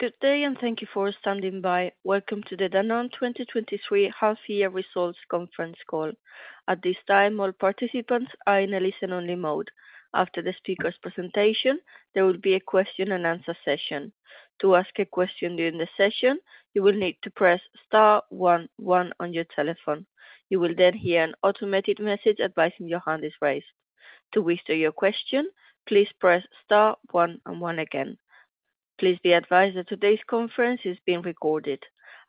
Good day. Thank you for standing by. Welcome to the Danone 2023 half year results conference call. At this time, all participants are in a listen-only mode. After the speaker's presentation, there will be a question and answer session. To ask a question during the session, you will need to press star one one on your telephone. You will hear an automated message advising your hand is raised. To withdraw your question, please press star one and one again. Please be advised that today's conference is being recorded.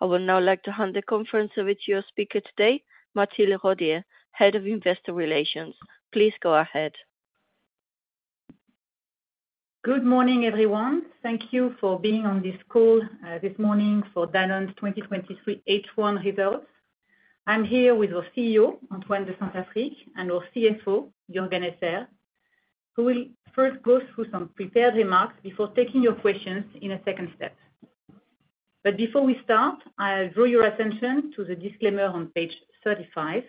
I would now like to hand the conference over to your speaker today, Mathilde Rodié, Head of Investor Relations. Please go ahead. Good morning, everyone. Thank you for being on this call this morning for Danone's 2023 H1 results. I'm here with our CEO, Antoine de Saint-Affrique, and our CFO, Juergen Esser, who will first go through some prepared remarks before taking your questions in a second step. Before we start, I'll draw your attention to the disclaimer on page 35,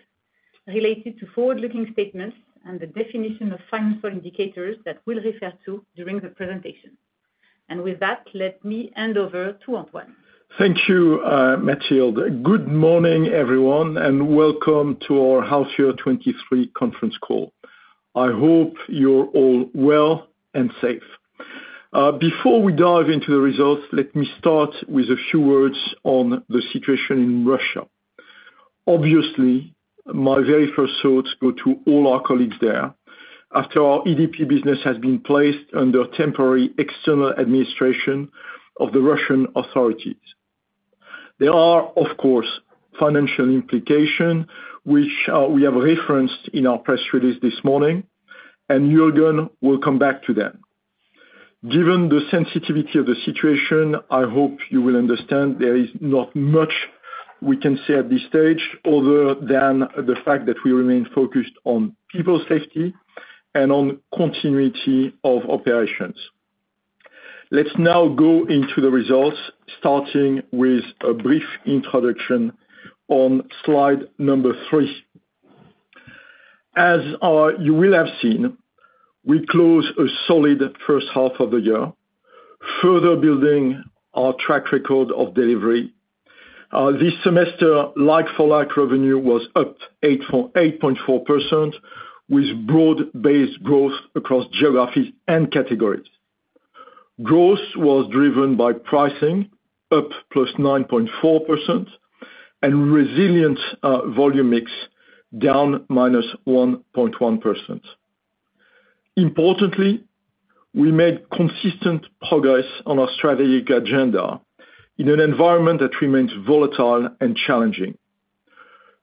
related to forward-looking statements and the definition of financial indicators that we'll refer to during the presentation. With that, let me hand over to Antoine. Thank you, Mathilde. Good morning, everyone, and welcome to our half year 2023 conference call. I hope you're all well and safe. Before we dive into the results, let me start with a few words on the situation in Russia. Obviously, my very first thoughts go to all our colleagues there, after our EDP business has been placed under temporary external administration of the Russian authorities. There are, of course, financial implication, which we have referenced in our press release this morning, and Juergen will come back to them. Given the sensitivity of the situation, I hope you will understand there is not much we can say at this stage, other than the fact that we remain focused on people's safety and on continuity of operations. Let's now go into the results, starting with a brief introduction on slide number three. As you will have seen, we closed a solid first half of the year, further building our track record of delivery. This semester, like for like, revenue was up 8.4%, with broad-based growth across geographies and categories. Growth was driven by pricing up +9.4% and resilient volume mix down -1.1%. Importantly, we made consistent progress on our strategic agenda in an environment that remains volatile and challenging.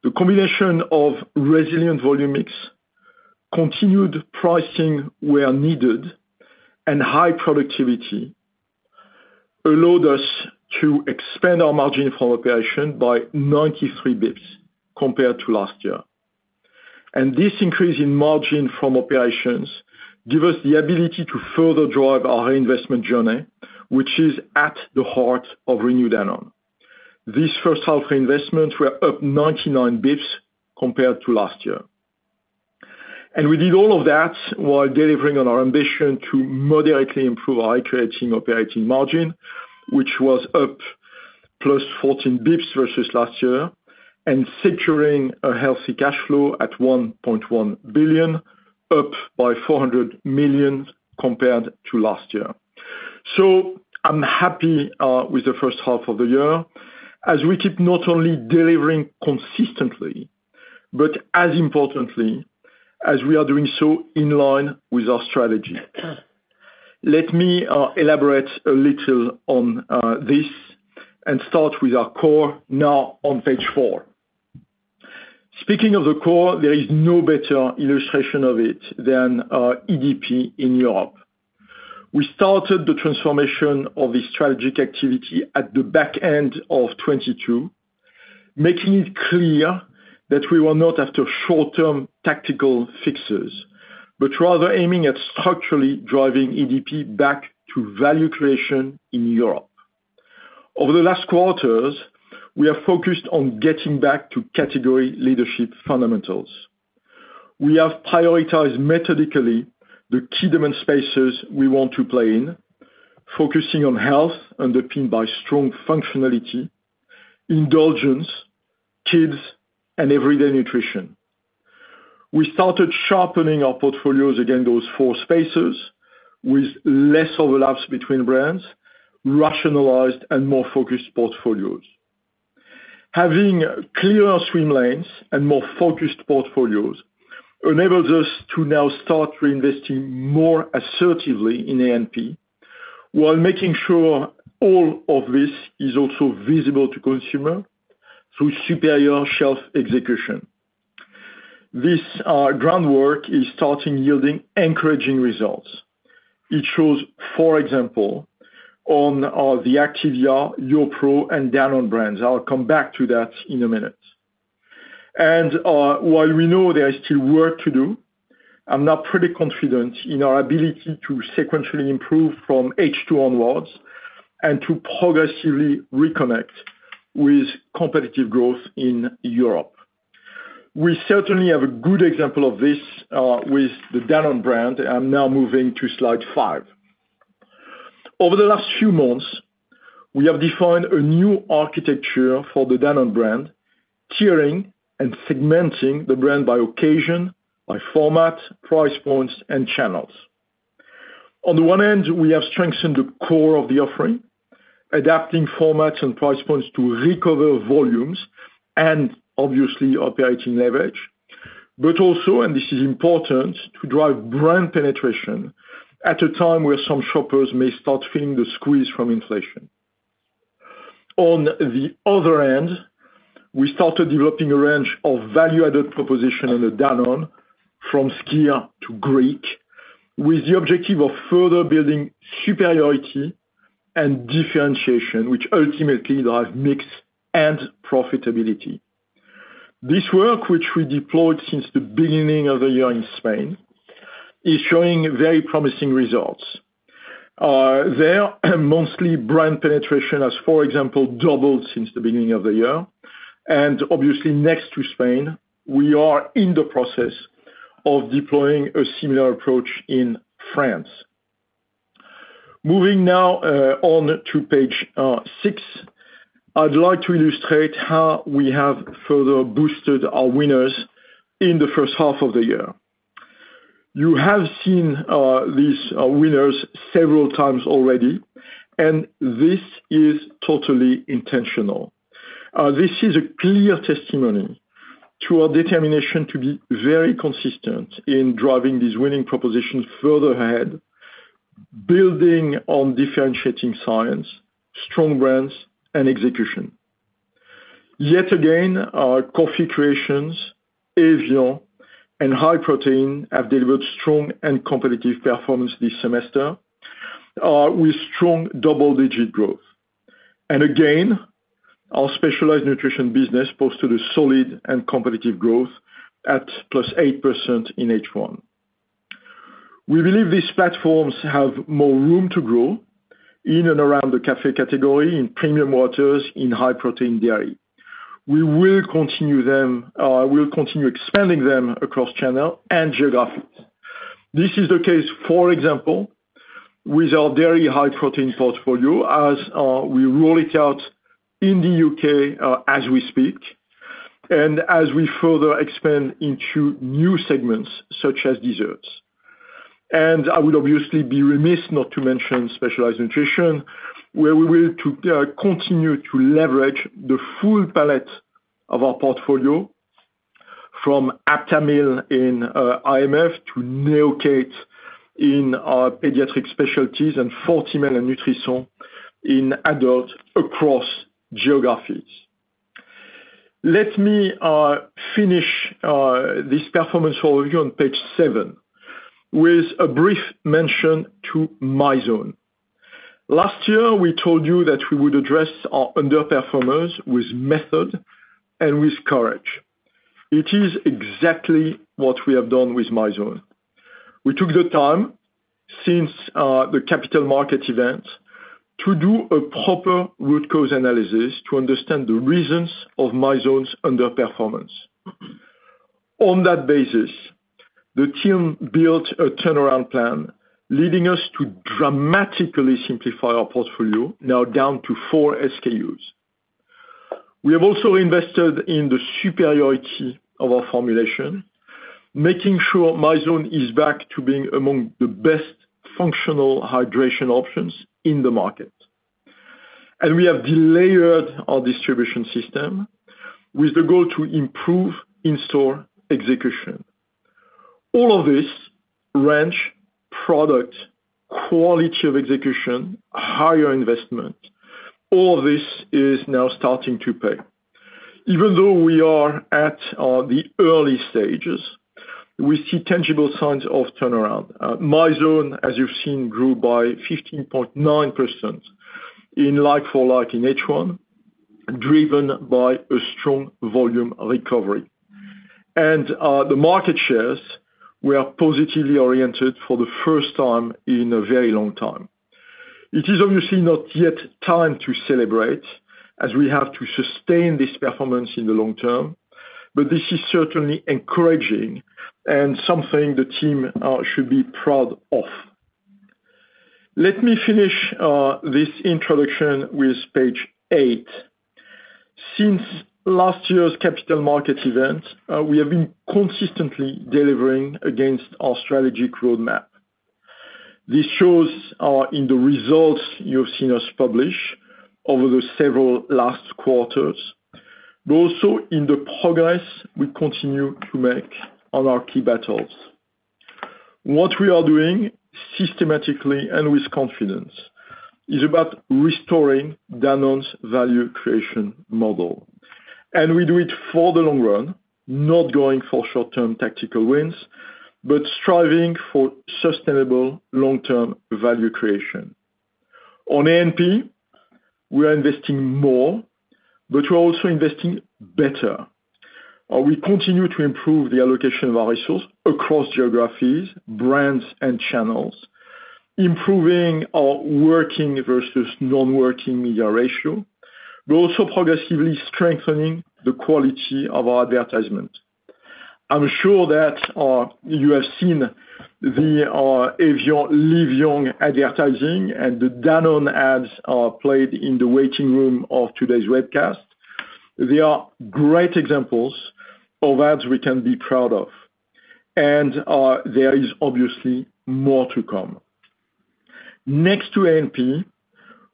The combination of resilient volume mix, continued pricing where needed, and high productivity, allowed us to expand our margin from operation by 93 bps compared to last year. This increase in margin from operations give us the ability to further drive our investment journey, which is at the heart of Renew Danone. This first half investment were up 99 bps compared to last year. We did all of that while delivering on our ambition to moderately improve our operating margin, which was up +14 bps versus last year, and securing a healthy cash flow at 1.1 billion, up by 400 million compared to last year. I'm happy with the first half of the year, as we keep not only delivering consistently, but as importantly, as we are doing so in line with our strategy. Let me elaborate a little on this and start with our core now on page four. Speaking of the core, there is no better illustration of it than EDP in Europe. We started the transformation of this strategic activity at the back end of 2022, making it clear that we were not after short-term tactical fixes, but rather aiming at structurally driving EDP back to value creation in Europe. Over the last quarters, we have focused on getting back to category leadership fundamentals. We have prioritized methodically, the key demand spaces we want to play in, focusing on health underpinned by strong functionality, indulgence, kids, and everyday nutrition. We started sharpening our portfolios against those four spaces with less overlaps between brands, rationalized and more focused portfolios. Having clearer swim lanes and more focused portfolios enables us to now start reinvesting more assertively in A&P, while making sure all of this is also visible to consumer through superior shelf execution. This groundwork is starting yielding encouraging results. It shows, for example, on the Activia, YoPRO, and Danone brands. I'll come back to that in a minute. While we know there is still work to do, I'm now pretty confident in our ability to sequentially improve from H2 onwards and to progressively reconnect with competitive growth in Europe. We certainly have a good example of this, with the Danone brand, and now moving to slide five. Over the last few months, we have defined a new architecture for the Danone brand, tiering and segmenting the brand by occasion, by format, price points, and channels. On the one end, we have strengthened the core of the offering, adapting formats and price points to recover volumes and obviously operating leverage. Also, and this is important, to drive brand penetration at a time where some shoppers may start feeling the squeeze from inflation. On the other end, we started developing a range of value-added proposition on the Danone, from Skyr to Greek, with the objective of further building superiority and differentiation, which ultimately drive mix and profitability. This work, which we deployed since the beginning of the year in Spain, is showing very promising results. Their monthly brand penetration has, for example, doubled since the beginning of the year, and obviously next to Spain, we are in the process of deploying a similar approach in France. Moving now on to page six, I'd like to illustrate how we have further boosted our winners in the first half of the year. You have seen these winners several times already, and this is totally intentional. This is a clear testimony to our determination to be very consistent in driving these winning propositions further ahead, building on differentiating science, strong brands, and execution. Again, our Coffee Creations, evian, and high protein have delivered strong and competitive performance this semester with strong double-digit growth. Again, our Specialized Nutrition business posted a solid and competitive growth at +8% in H1. We believe these platforms have more room to grow in and around the cafe category, in premium waters, in high-protein dairy. We will continue expanding them across channel and geographies. This is the case, for example, with our very high protein portfolio, as we roll it out in the U.K. as we speak, and as we further expand into new segments, such as desserts. I would obviously be remiss not to mention Specialized Nutrition, where we will continue to leverage the full palette of our portfolio, from Aptamil in IMF, to Neocate in our pediatric specialties, and Fortimel and Nutrison in adult across geographies. Let me finish this performance overview on page seven, with a brief mention to Mizone. Last year, we told you that we would address our underperformers with method and with courage. It is exactly what we have done with Mizone. We took the time since the capital market event to do a proper root cause analysis to understand the reasons of Mizone's underperformance. On that basis, the team built a turnaround plan, leading us to dramatically simplify our portfolio, now down to SKUs. We have also invested in the superiority of our formulation, making sure Mizone is back to being among the best functional hydration options in the market. We have delayered our distribution system with the goal to improve in-store execution. All of this range, product, quality of execution, higher investment, all this is now starting to pay. Even though we are at the early stages, we see tangible signs of turnaround. Mizone, as you've seen, grew by 15.9% in like-for-like in H1, driven by a strong volume recovery. The market shares, we are positively oriented for the first time in a very long time. It is obviously not yet time to celebrate, as we have to sustain this performance in the long term, but this is certainly encouraging and something the team should be proud of. Let me finish this introduction with page eight. Since last year's capital markets event, we have been consistently delivering against our strategic roadmap. This shows in the results you've seen us publish over the several last quarters, but also in the progress we continue to make on our key battles. What we are doing systematically and with confidence, is about restoring Danone's value creation model. We do it for the long run, not going for short-term tactical wins, but striving for sustainable long-term value creation. On A&P, we are investing more, but we're also investing better, we continue to improve the allocation of our resources across geographies, brands, and channels, improving our working versus non-working media ratio, but also progressively strengthening the quality of our advertisement. I'm sure that you have seen the evian Live Young advertising and the Danone ads are played in the waiting room of today's webcast. They are great examples of ads we can be proud of. There is obviously more to come. Next to A&P,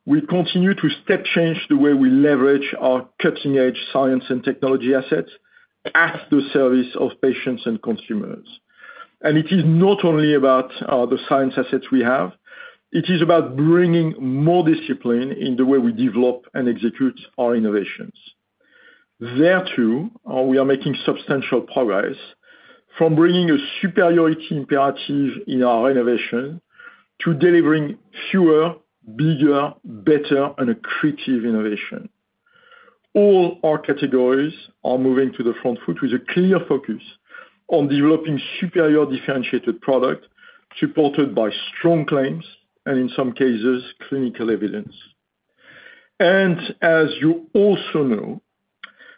we continue to step change the way we leverage our cutting-edge science and technology assets at the service of patients and consumers. It is not only about the science assets we have, it is about bringing more discipline in the way we develop and execute our innovations. There, too, we are making substantial progress, from bringing a superiority imperative in our innovation to delivering fewer, bigger, better, and accretive innovation. All our categories are moving to the front foot with a clear focus on developing superior differentiated product, supported by strong claims, and in some cases, clinical evidence. As you also know,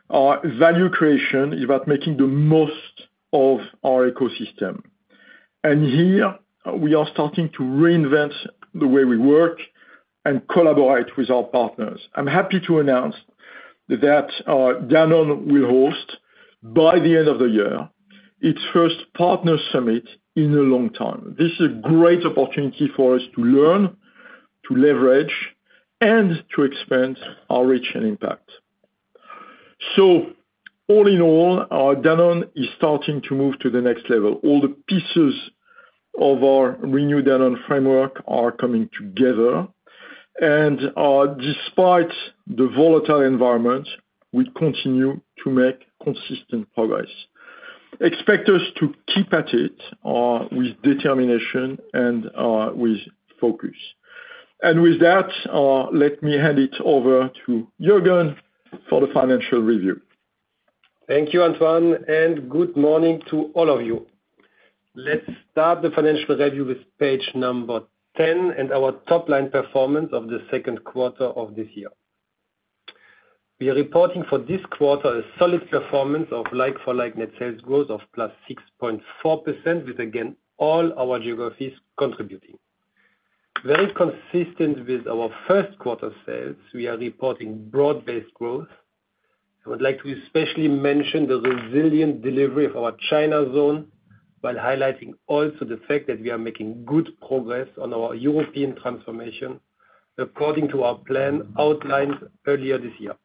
our value creation is about making the most of our ecosystem. Here, we are starting to reinvent the way we work and collaborate with our partners. I'm happy to announce that Danone will host, by the end of the year, its first partner summit in a long time. This is a great opportunity for us to learn, to leverage, and to expand our reach and impact. All in all, Danone is starting to move to the next level. All the pieces of our Renew Danone framework are coming together, and despite the volatile environment, we continue to make consistent progress. Expect us to keep at it with determination and with focus. With that, let me hand it over to Juergen for the financial review. Thank you, Antoine. Good morning to all of you. Let's start the financial review with page number 10, and our top line performance of the second quarter of this year. We are reporting for this quarter a solid performance of like-for-like net sales growth of +6.4%, with again, all our geographies contributing. Very consistent with our first quarter sales, we are reporting broad-based growth. I would like to especially mention the resilient delivery of our China zone, while highlighting also the fact that we are making good progress on our European transformation, according to our plan outlined earlier this year.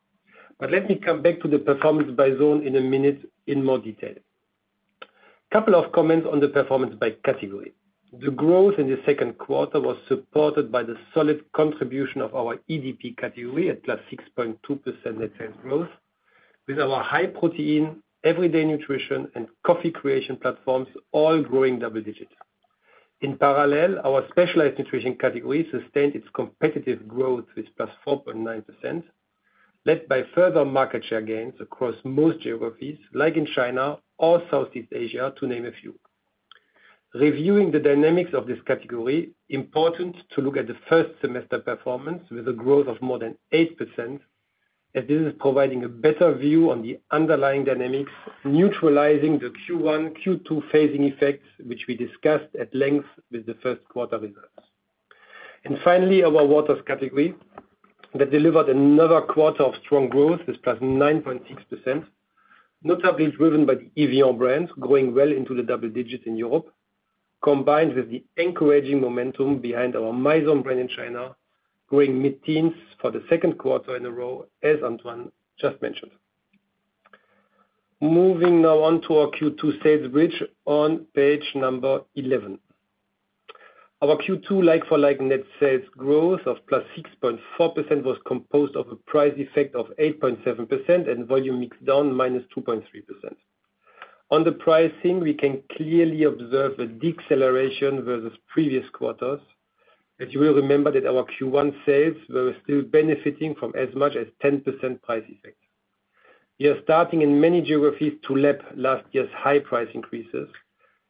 Let me come back to the performance by zone in a minute, in more detail. Couple of comments on the performance by category. The growth in the second quarter was supported by the solid contribution of our EDP category at +6.2% net sales growth, with our high protein, everyday nutrition, and coffee creation platforms all growing double digits. In parallel, our Specialized Nutrition category sustained its competitive growth with +4.9%, led by further market share gains across most geographies, like in China or Southeast Asia, to name a few. Reviewing the dynamics of this category, important to look at the first semester performance with a growth of more than 8%, as this is providing a better view on the underlying dynamics, neutralizing the Q1, Q2 phasing effects, which we discussed at length with the first quarter results. Finally, our waters category, that delivered another quarter of strong growth, with +9.6%, notably driven by the evian brand, growing well into the double digits in Europe, combined with the encouraging momentum behind our Mizone brand in China, growing mid-teens for the second quarter in a row, as Antoine just mentioned. Moving now on to our Q2 sales bridge on page number 11. Our Q2 like-for-like net sales growth of +6.4% was composed of a price effect of 8.7%, and volume mix down -2.3%. On the pricing, we can clearly observe a deceleration versus previous quarters, as you will remember that our Q1 sales were still benefiting from as much as 10% price effect. We are starting in many geographies to lap last year's high price increases,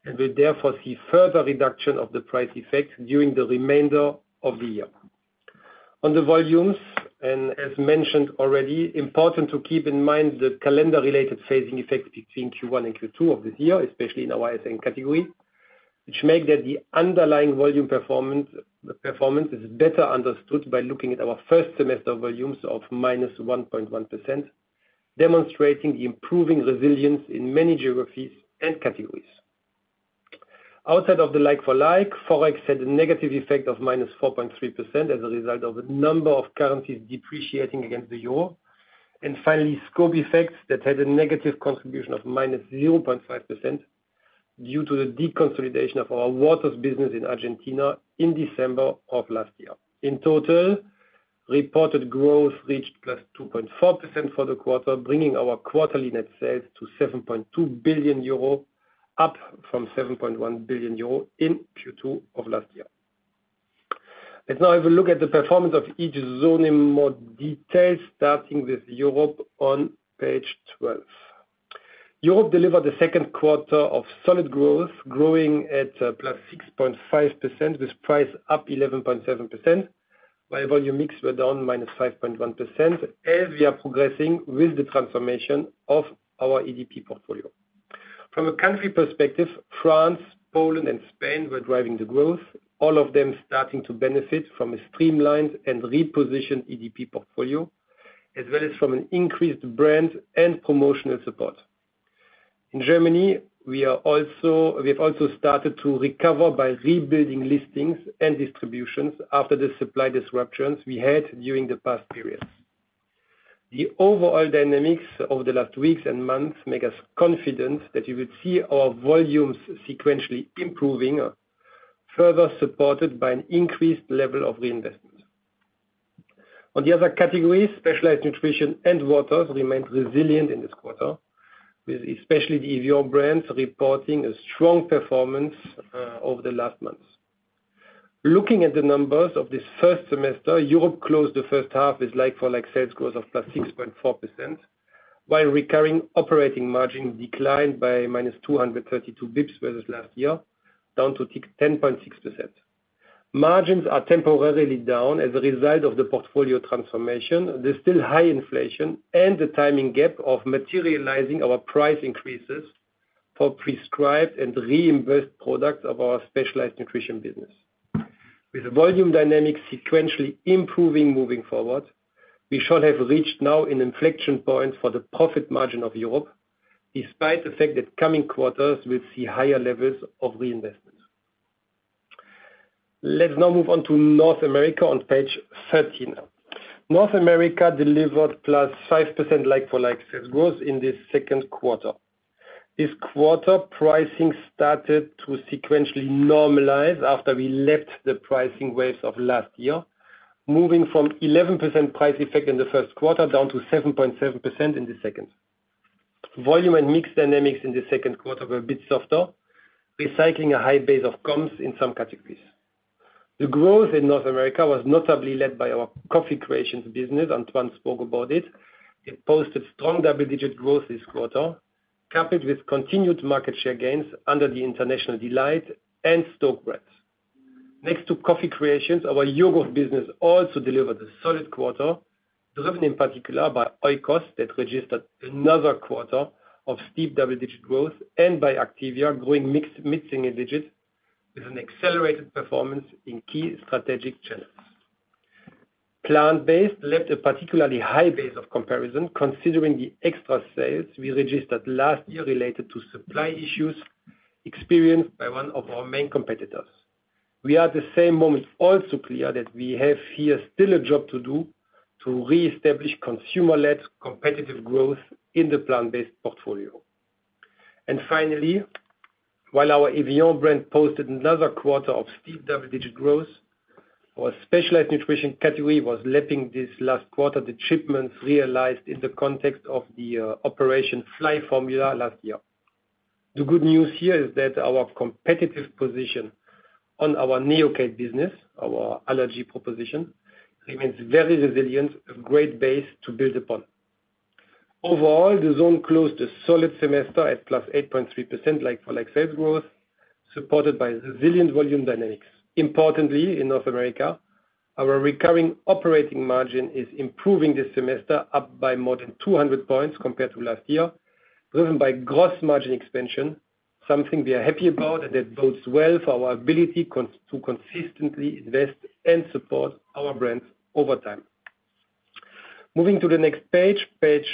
and we therefore see further reduction of the price effect during the remainder of the year. On the volumes, and as mentioned already, important to keep in mind the calendar-related phasing effect between Q1 and Q2 of this year, especially in our SN category, which make that the underlying volume performance is better understood by looking at our first semester volumes of -1.1%, demonstrating the improving resilience in many geographies and categories. Outside of the like-for-like, Forex had a negative effect of -4.3% as a result of a number of currencies depreciating against the euro. Finally, scope effects that had a negative contribution of -0.5% due to the deconsolidation of our waters business in Argentina in December of last year. In total, reported growth reached +2.4% for the quarter, bringing our quarterly net sales to 7.2 billion euro, up from 7.1 billion euro in Q2 of last year. Let's now have a look at the performance of each zone in more detail, starting with Europe on page 12. Europe delivered the second quarter of solid growth, growing at +6.5%, with price up 11.7%, while volume mix were down -5.1%, as we are progressing with the transformation of our EDP portfolio. From a country perspective, France, Poland, and Spain were driving the growth, all of them starting to benefit from a streamlined and repositioned EDP portfolio, as well as from an increased brand and promotional support. In Germany, we have also started to recover by rebuilding listings and distributions after the supply disruptions we had during the past periods. The overall dynamics over the last weeks and months make us confident that you will see our volumes sequentially improving, further supported by an increased level of reinvestment. On the other categories, Specialized Nutrition and waters remained resilient in this quarter, with especially the evian brands reporting a strong performance over the last months. Looking at the numbers of this first semester, Europe closed the first half with like-for-like sales growth of +6.4%, while recurring operating margin declined by -232 BPS versus last year, down to 10.6%. Margins are temporarily down as a result of the portfolio transformation, there's still high inflation and the timing gap of materializing our price increases for prescribed and reimbursed products of our Specialized Nutrition business. With the volume dynamics sequentially improving moving forward, we should have reached now an inflection point for the profit margin of Europe, despite the fact that coming quarters will see higher levels of reinvestment. Let's now move on to North America on page 13. North America delivered +5% like-for-like sales growth in the second quarter. This quarter, pricing started to sequentially normalize after we left the pricing waves of last year, moving from 11% price effect in the first quarter, down to 7.7% in the second quarter. Volume and mix dynamics in the second quarter were a bit softer, recycling a high base of comps in some categories. The growth in North America was notably led by our Coffee Creations business, Antoine spoke about it. It posted strong double-digit growth this quarter, coupled with continued market share gains under the International Delight and STōK brands. Next to Coffee Creations, our yogurt business also delivered a solid quarter, driven in particular by Oikos, that registered another quarter of steep double-digit growth, and by Activia growing mixing in digits with an accelerated performance in key strategic channels. Plant-based left a particularly high base of comparison, considering the extra sales we registered last year related to supply issues experienced by one of our main competitors. We are at the same moment, also clear that we have here still a job to do to reestablish consumer-led, competitive growth in the plant-based portfolio. Finally, while our evian brand posted another quarter of steep double-digit growth, our specialized nutrition category was lapping this last quarter, the shipments realized in the context of the Operation Fly Formula last year. The good news here is that our competitive position on our Neocate business, our allergy proposition, remains very resilient, a great base to build upon. Overall, the zone closed a solid semester at +8.3% like-for-like sales growth, supported by resilient volume dynamics. Importantly, in North America, our recurring operating margin is improving this semester, up by more than 200 points compared to last year, driven by gross margin expansion, something we are happy about and that bodes well for our ability to consistently invest and support our brands over time. Moving to the next page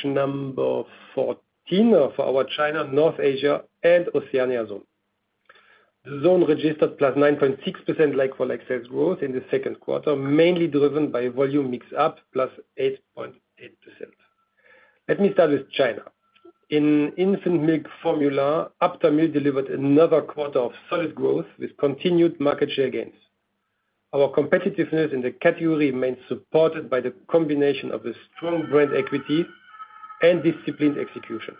number 14 of our China, North Asia and Oceania zone. The zone registered +9.6% like-for-like sales growth in the second quarter, mainly driven by volume mix up, +8.8%. Let me start with China. In infant milk formula, Aptamil delivered another quarter of solid growth with continued market share gains. Our competitiveness in the category remains supported by the combination of the strong brand equity and disciplined execution.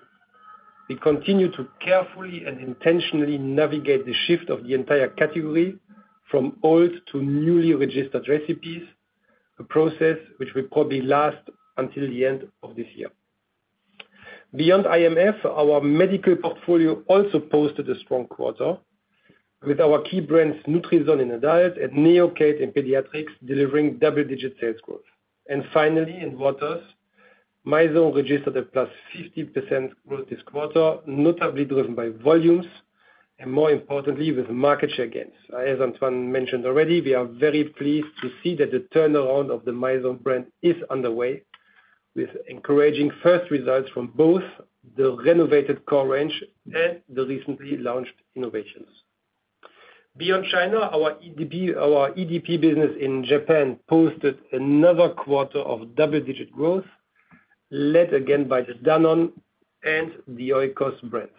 We continue to carefully and intentionally navigate the shift of the entire category from old to newly registered recipes, a process which will probably last until the end of this year. Beyond IMF, our medical portfolio also posted a strong quarter, with our key brands, Nutrison in adult and Neocate in pediatrics, delivering double-digit sales growth. Finally, in waters, Mizone registered a +50% growth this quarter, notably driven by volumes, and more importantly, with market share gains. As Antoine de Saint-Affrique mentioned already, we are very pleased to see that the turnaround of the Mizone brand is underway, with encouraging first results from both the renovated core range and the recently launched innovations. Beyond China, our EDP business in Japan posted another quarter of double-digit growth, led again by the Danone and the Oikos brands.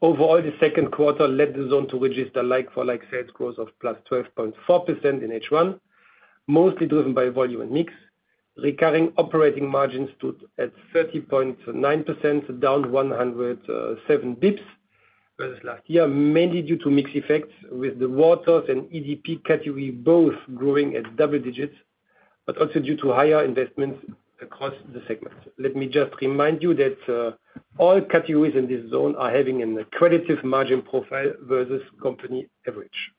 The second quarter led the zone to register a like-for-like sales growth of +12.4% in H1, mostly driven by volume and mix. Recurring operating margins stood at 30.9%, down 107 BPS versus last year, mainly due to mix effects with the waters and EDP category both growing at double digits, also due to higher investments across the segments. Let me just remind you that all categories in this zone are having an accretive margin profile versus company average.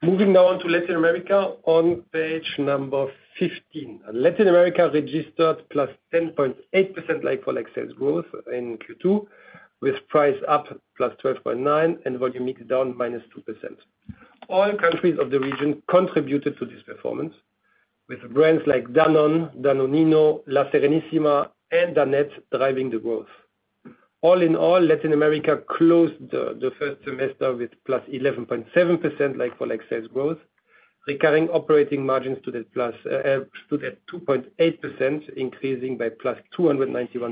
Moving now on to Latin America, on page number 15. Latin America registered +10.8% like-for-like sales growth in Q2, with price up +12.9%, and volume mix down -2%. All countries of the region contributed to this performance, with brands like Danone, Danonino, La Serenísima, and Danette driving the growth. All in all, Latin America closed the first semester with +11.7% like-for-like sales growth, recurring operating margins stood at 2.8%, increasing by +291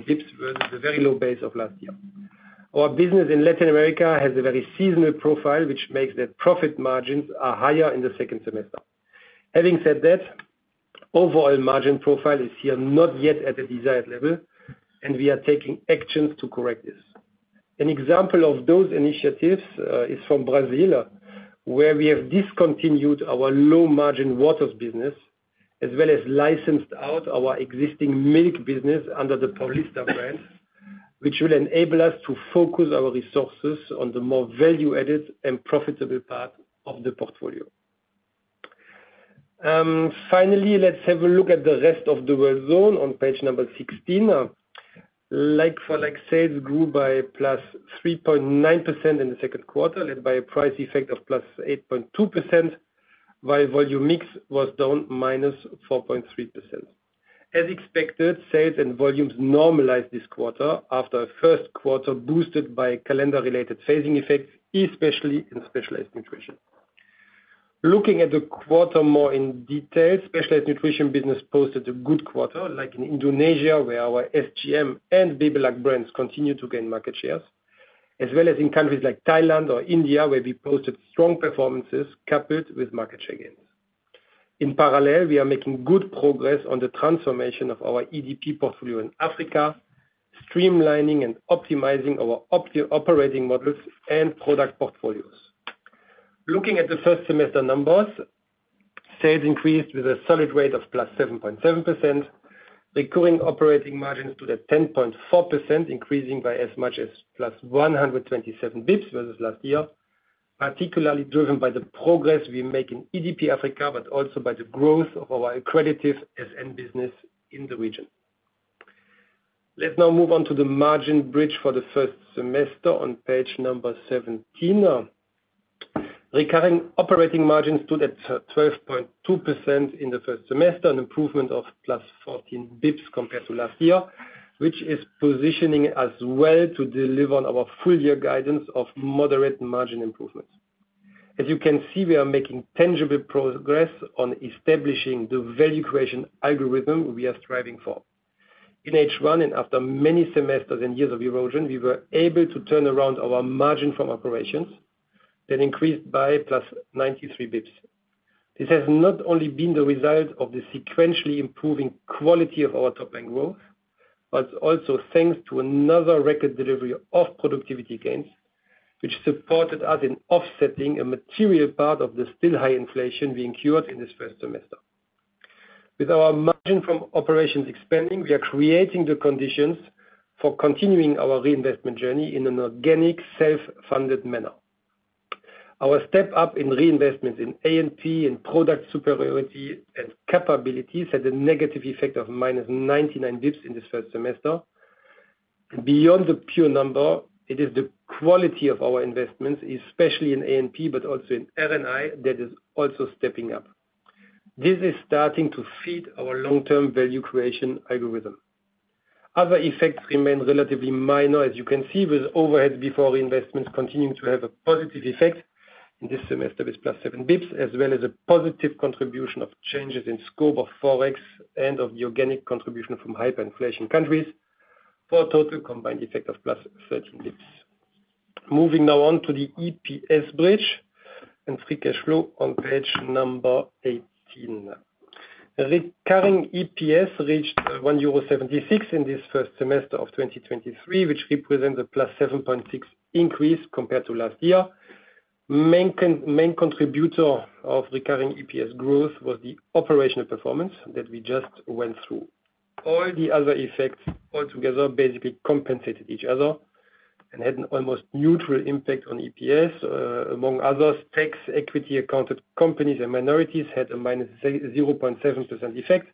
BPS, versus the very low base of last year. Our business in Latin America has a very seasonal profile, which makes the profit margins are higher in the second semester. Having said that, overall margin profile is here, not yet at the desired level, and we are taking actions to correct this. An example of those initiatives, is from Brazil, where we have discontinued our low margin waters business, as well as licensed out our existing milk business under the Paulista brand, which will enable us to focus our resources on the more value added and profitable part of the portfolio. Finally, let's have a look at the rest of the world zone on page number 16. Like-for-like sales grew by +3.9% in the second quarter, led by a price effect of +8.2%, while volume mix was down -4.3%. As expected, sales and volumes normalized this quarter after a first quarter boosted by calendar related phasing effects, especially in Specialized Nutrition. Looking at the quarter more in detail, Specialized Nutrition business posted a good quarter, like in Indonesia, where our SGM and Bebelac brands continue to gain market shares, as well as in countries like Thailand or India, where we posted strong performances coupled with market share gains. In parallel, we are making good progress on the transformation of our EDP portfolio in Africa, streamlining and optimizing our operating models and product portfolios. Looking at the first semester numbers, sales increased with a solid rate of +7.7%, recurring operating margins to the 10.4%, increasing by as much as +127 bps versus last year, particularly driven by the progress we make in EDP Africa, but also by the growth of our accretive SN business in the region. Let's now move on to the margin bridge for the first semester on page number 17. Recurring operating margins stood at 12.2% in the first semester, an improvement of +14 bps compared to last year, which is positioning us well to deliver on our full year guidance of moderate margin improvements. As you can see, we are making tangible progress on establishing the value creation algorithm we are striving for. In H1, and after many semesters and years of erosion, we were able to turn around our margin from operations that increased by +93 bps. This has not only been the result of the sequentially improving quality of our top-line growth, but also thanks to another record delivery of productivity gains, which supported us in offsetting a material part of the still high inflation we incurred in this first semester. With our margin from operations expanding, we are creating the conditions for continuing our reinvestment journey in an organic, self-funded manner. Our step up in reinvestments in A&P and product superiority and capabilities had a negative effect of -99 BPS in this first semester. Beyond the pure number, it is the quality of our investments, especially in A&P, but also in R&I, that is also stepping up. This is starting to feed our long-term value creation algorithm. Other effects remain relatively minor, as you can see, with overhead before investments continuing to have a positive effect in this semester is +7 BPS, as well as a positive contribution of changes in scope of Forex and of the organic contribution from hyperinflation countries for a total combined effect of +13 BPS. Moving now on to the EPS bridge and free cash flow on page number 18. Recurrent EPS reached 1.76 euro in this first semester of 2023, which represents a +7.6% increase compared to last year. Main contributor of recurring EPS growth was the operational performance that we just went through. All the other effects altogether basically compensated each other and had an almost neutral impact on EPS. Among others, tax equity accounted companies and minorities had a minus 0.7% effect,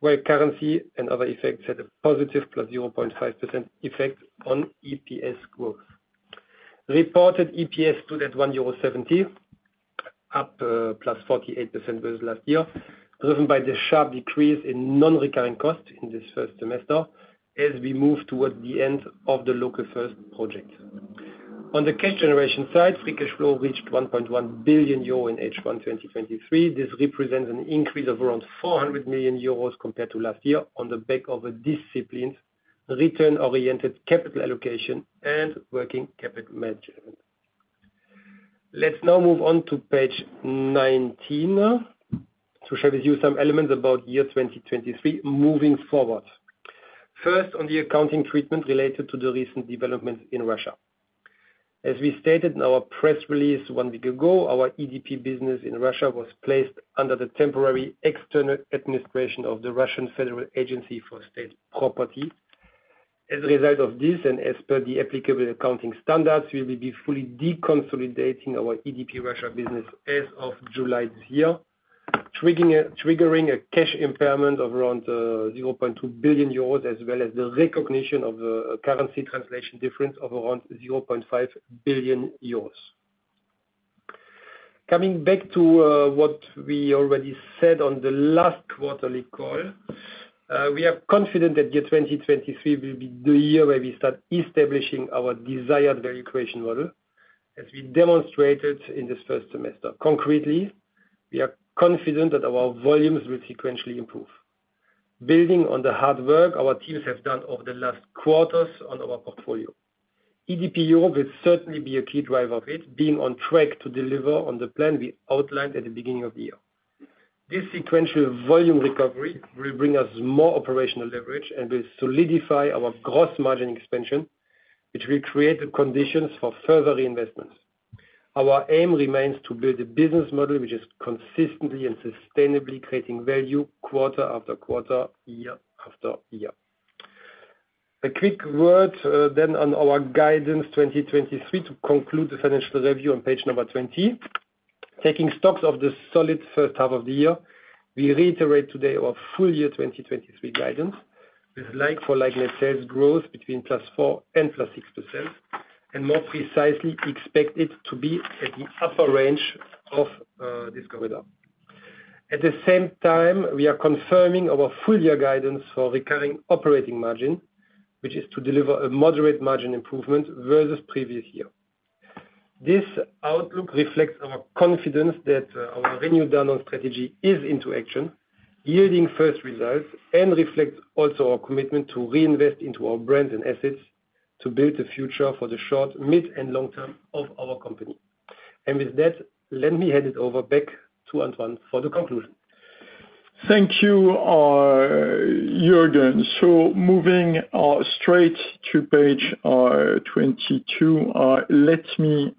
where currency and other effects had a positive +0.5% effect on EPS growth. Reported EPS stood at 1.70 euro, up +48% versus last year, driven by the sharp decrease in non-recurring costs in this first semester as we move towards the end of the Local First project. On the cash generation side, free cash flow reached 1.1 billion euro in H1 2023. This represents an increase of around 400 million euros compared to last year on the back of a disciplined, return-oriented capital allocation and working capital management. Let's now move on to page 19, to share with you some elements about year 2023 moving forward. First, on the accounting treatment related to the recent developments in Russia. As we stated in our press release one week ago, our EDP business in Russia was placed under the temporary external administration of the Federal Agency for State Property Management. As a result of this, and as per the applicable accounting standards, we will be fully deconsolidating our EDP Russia business as of July this year, triggering a cash impairment of around 0.2 billion euros, as well as the recognition of the currency translation difference of around 0.5 billion euros. Coming back to, what we already said on the last quarterly call, we are confident that 2023 will be the year where we start establishing our desired value creation model, as we demonstrated in this first semester. Concretely, we are confident that our volumes will sequentially improve, building on the hard work our teams have done over the last quarters on our portfolio. EDP will certainly be a key driver of it, being on track to deliver on the plan we outlined at the beginning of the year. This sequential volume recovery will bring us more operational leverage and will solidify our gross margin expansion, which will create the conditions for further investments. Our aim remains to build a business model which is consistently and sustainably creating value quarter after quarter, year after year. A quick word, then on our guidance 2023 to conclude the financial review on page number 20. Taking stocks of the solid first half of the year, we reiterate today our full year 2023 guidance, with like for like net sales growth between +4% and +6%, and more precisely, we expect it to be at the upper range of this corridor. At the same time, we are confirming our full year guidance for recurring operating margin, which is to deliver a moderate margin improvement versus previous year. This outlook reflects our confidence that our Renew Danone strategy is into action, yielding first results, and reflects also our commitment to reinvest into our brands and assets to build a future for the short, mid, and long term of our company. With that, let me hand it over back to Antoine for the conclusion. Thank you, Juergen. Moving straight to page 22, let me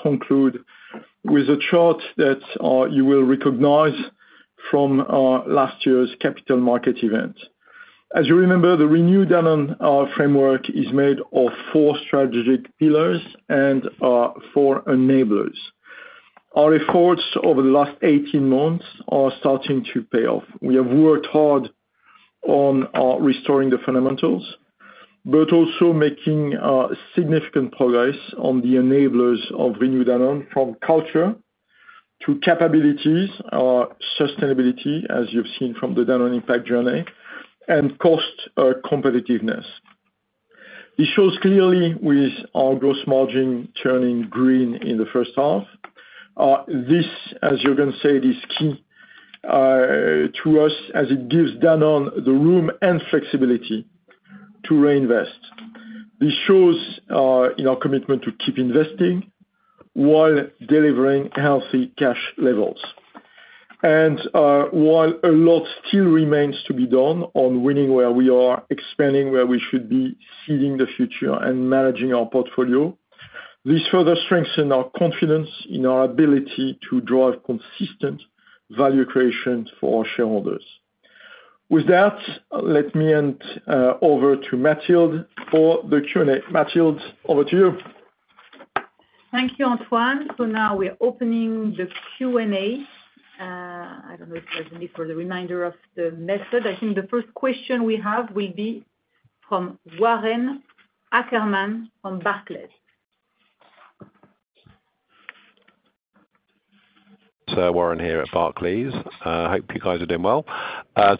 conclude with a chart that you will recognize from last year's capital market event. As you remember, the Renew Danone framework is made of four strategic pillars and four enablers. Our efforts over the last 18 months are starting to pay off. We have worked hard on restoring the fundamentals, but also making significant progress on the enablers of Renew Danone, from culture to capabilities, sustainability, as you've seen from the Danone Impact Journey, and cost competitiveness. This shows clearly with our gross margin turning green in the first half. This, as Juergen said, is key to us as it gives Danone the room and flexibility to reinvest. This shows in our commitment to keep investing while delivering healthy cash levels. While a lot still remains to be done on winning where we are, expanding where we should be, seeding the future, and managing our portfolio, this further strengthen our confidence in our ability to drive consistent value creation for our shareholders. With that, let me hand over to Mathilde for the Q&A. Mathilde, over to you. Thank you, Antoine. Now we're opening the Q&A. I don't know if there's a need for the reminder of the method. I think the first question we have will be from Warren Ackerman from Barclays. Warren here at Barclays. Hope you guys are doing well.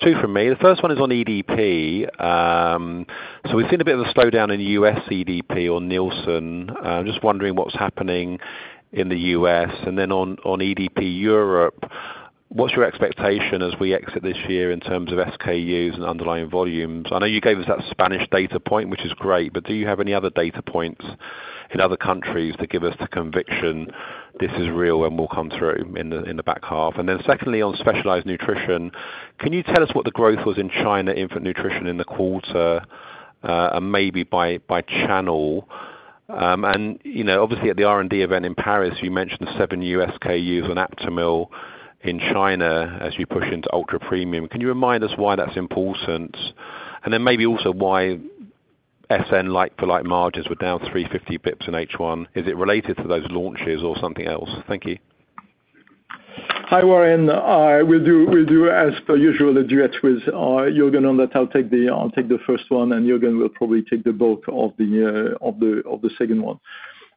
Two from me, the first one is on EDP. We've seen a bit of a slowdown in U.S. EDP on Nielsen. I'm just wondering what's happening in the U.S., and then on EDP Europe, what's your expectation as we exit this year in terms of SKUs and underlying volumes? I know you gave us that Spanish data point, which is great, but do you have any other data points in other countries to give us the conviction this is real and will come through in the back half? Secondly, on Specialized Nutrition, can you tell us what the growth was in China infant nutrition in the quarter, and maybe by channel? You know, obviously at the R&D event in Paris, you mentioned seven new SKUs on Aptamil in China as you push into ultra-premium. Can you remind us why that's important? Maybe also why SN like-for-like margins were down 350 bps in H1? Is it related to those launches or something else? Thank you. Hi, Warren. We'll do as per usual, the duets with Juergen. I'll take the first one, and Juergen will probably take the bulk of the second one.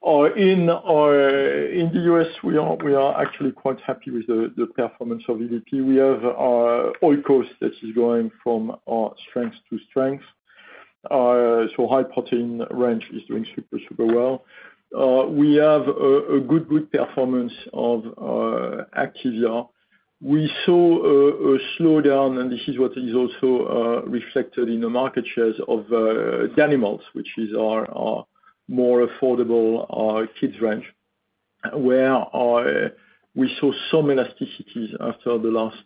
In the U.S., we are actually quite happy with the performance of EDP. We have Oikos that is growing from strength to strength. High protein range is doing super well. We have a good performance of Activia. We saw a slowdown, and this is what is also reflected in the market shares of Danimals, which is our more affordable kids' range, where we saw some elasticities after the last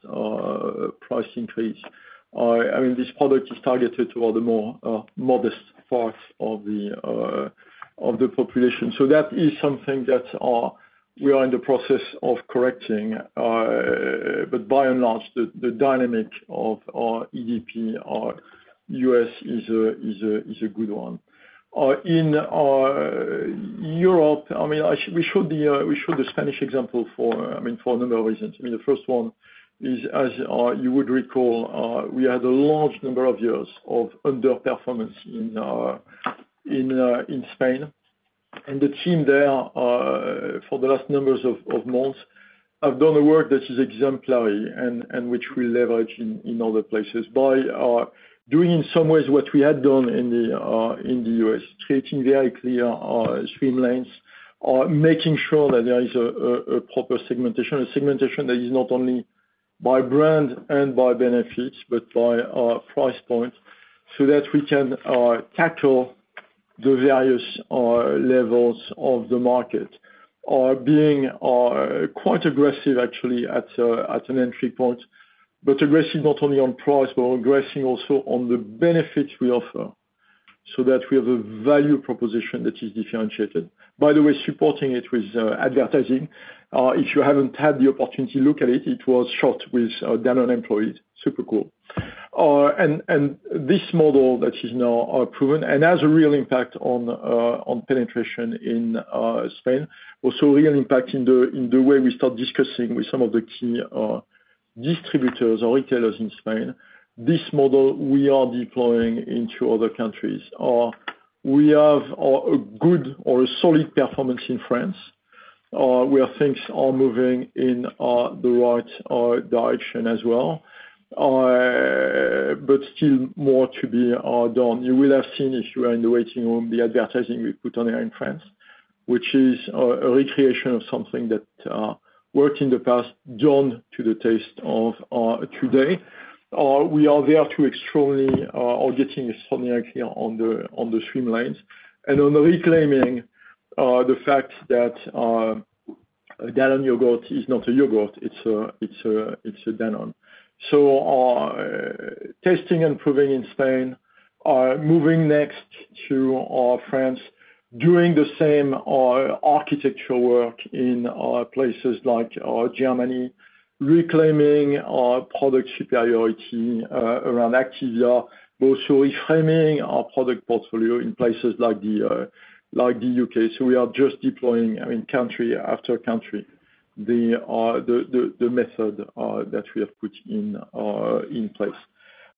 price increase. I mean, this product is targeted to all the more modest parts of the population. That is something that we are in the process of correcting. By and large, the dynamic of our EDP, our U.S. is a good one. In Europe, I mean, we showed the Spanish example for, I mean, for a number of reasons. I mean, the first one is, as you would recall, we had a large number of years of underperformance in Spain. The team there, for the last numbers of months, have done the work that is exemplary and which we leverage in other places by doing in some ways what we had done in the U.S., creating very clear streamlines, making sure that there is a proper segmentation, a segmentation that is not only by brand and by benefits, but by price point, so that we can tackle the various levels of the market. Being quite aggressive, actually, at an entry point, but aggressive not only on price, but aggressive also on the benefits we offer, so that we have a value proposition that is differentiated. Supporting it with advertising, if you haven't had the opportunity to look at it was shot with Danone employees. Super cool. This model that is now proven and has a real impact on penetration in Spain, also real impact in the way we start discussing with some of the key distributors or retailers in Spain. This model we are deploying into other countries. We have a good or a solid performance in France, where things are moving in the right direction as well. Still more to be done. You will have seen, if you are in the waiting room, the advertising we put on air in France, which is a recreation of something that worked in the past, done to the taste of today. We are getting extremely clear on the streamlines. On the reclaiming the fact that Danone Yogurt is not a yogurt, it's a Danone. Testing and proving in Spain, are moving next to France, doing the same architectural work in places like Germany, reclaiming our product superiority around Activia, also reframing our product portfolio in places like the UK. We are just deploying, I mean, country after country, the method that we have put in place.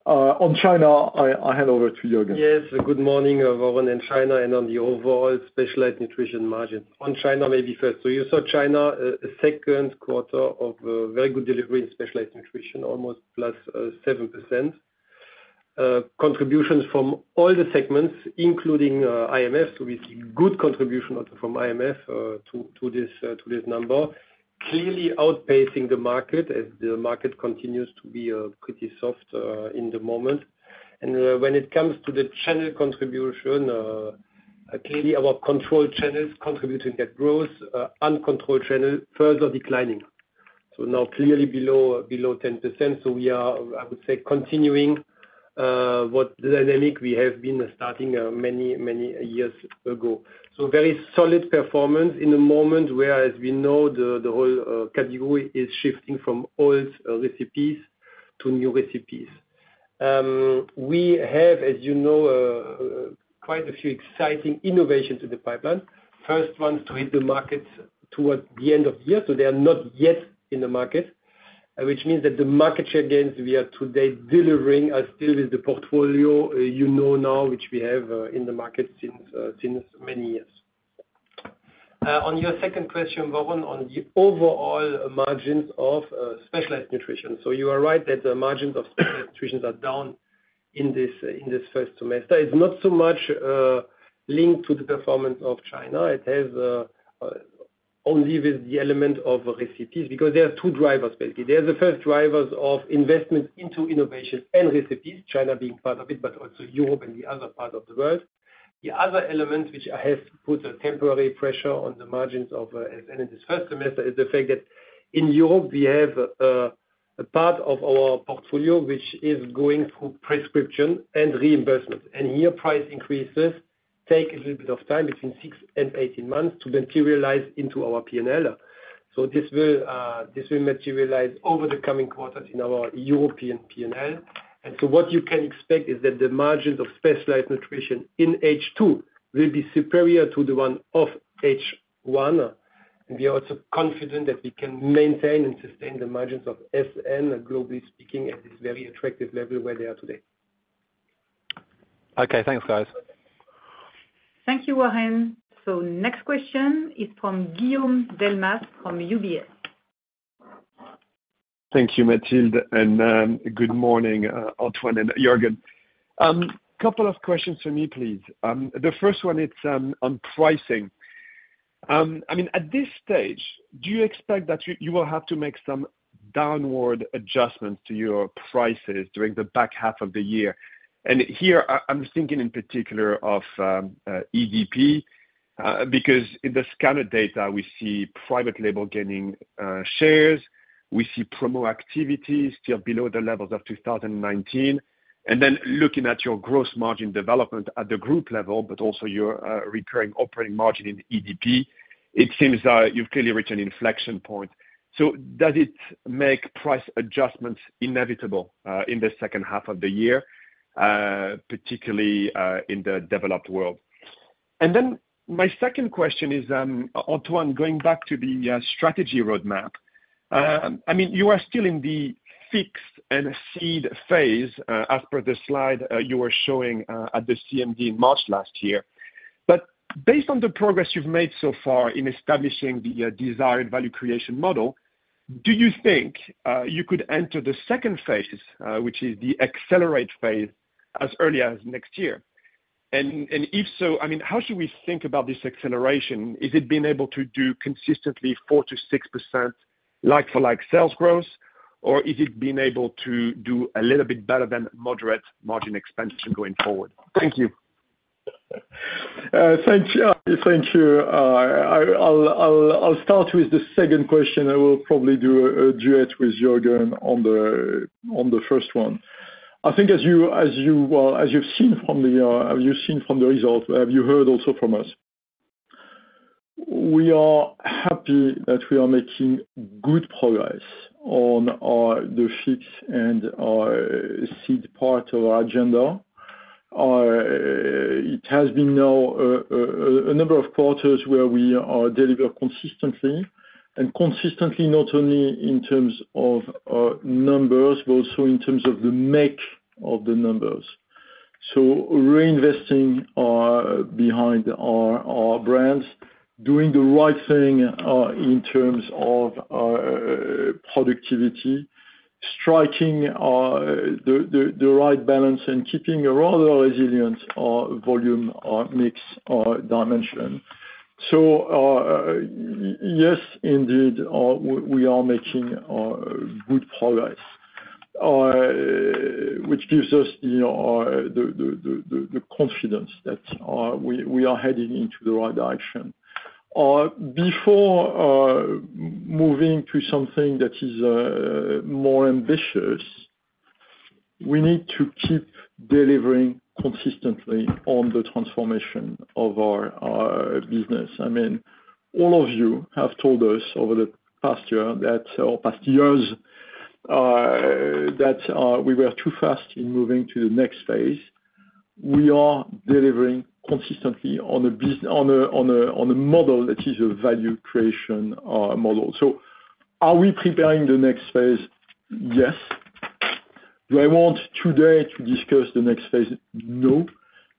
On China, I hand over to you again. Yes, good morning, everyone, in China and on the overall Specialized Nutrition margin. On China, maybe first. You saw China, a second quarter of very good delivery in Specialized Nutrition, almost +7%. Contributions from all the segments, including IMF, so we see good contribution from IMF to this number. Clearly outpacing the market, as the market continues to be pretty soft in the moment. When it comes to the channel contribution, clearly our controlled channels contributing that growth, uncontrolled channel further declining, so now clearly below 10%. We are, I would say, continuing what dynamic we have been starting many years ago. Very solid performance in the moment where, as we know, the whole category is shifting from old recipes to new recipes. We have, as you know, quite a few exciting innovations in the pipeline. First one to hit the markets towards the end of the year, so they are not yet in the market, which means that the market share gains we are today delivering are still with the portfolio, you know now, which we have in the market since many years. On your second question, Warren, on the overall margins of Specialized Nutrition. You are right, that the margins of Specialized Nutrition are down in this, in this first semester. It's not so much linked to the performance of China. It has only with the element of recipes, because there are two drivers, basically. There are the first drivers of investment into innovation and recipes, China being part of it, but also Europe and the other part of the world. The other element, which has put a temporary pressure on the margins of SN in this 1st semester, is the fact that in Europe, we have a part of our portfolio which is going through prescription and reimbursement. Here, price increases take a little bit of time, between 6 and 18 months, to materialize into our PNL. This will materialize over the coming quarters in our European PNL. What you can expect is that the margins of specialized nutrition in H2 will be superior to the one of H1. We are also confident that we can maintain and sustain the margins of SN, globally speaking, at this very attractive level where they are today. Okay. Thanks, guys. Thank you, Warren. Next question is from Guillaume Delmas, from UBS. Thank you, Mathilde, and good morning, Antoine and Juergen. Couple of questions for me, please. The first one is on pricing. I mean, at this stage, do you expect that you will have to make? Downward adjustments to your prices during the back half of the year. Here, I'm thinking in particular of EDP because in the scanner data, we see private label gaining shares, we see promo activity still below the levels of 2019. Looking at your gross margin development at the group level, but also your recurring operating margin in EDP, it seems you've clearly reached an inflection point. Does it make price adjustments inevitable in the second half of the year, particularly in the developed world? My second question is, Antoine, going back to the strategy roadmap, I mean, you are still in the fix and seed phase as per the slide you were showing at the CMD in March last year. Based on the progress you've made so far in establishing the desired value creation model, do you think you could enter the second phase, which is the accelerate phase, as early as next year? And if so, I mean, how should we think about this acceleration? Is it being able to do consistently 4%-6% like-for-like sales growth, or is it being able to do a little bit better than moderate margin expansion going forward? Thank you. Thank you. I'll start with the second question. I will probably do a duet with Juergen on the first one. I think as you, well, as you've seen from the results, have you heard also from us, we are happy that we are making good progress on the fix and seed part of our agenda. It has been now a number of quarters where we deliver consistently, and consistently not only in terms of numbers, but also in terms of the make of the numbers. Reinvesting behind our brands, doing the right thing in terms of productivity, striking the right balance and keeping a rather resilient volume mix dimension. Yes, indeed, we are making good progress. Which gives us, you know, the confidence that we are heading into the right direction. Before moving to something that is more ambitious, we need to keep delivering consistently on the transformation of our business. I mean, all of you have told us over the past year, that, or past years, that we were too fast in moving to the next phase. We are delivering consistently on a model that is a value creation model. Are we preparing the next phase? Yes. Do I want today to discuss the next phase? No,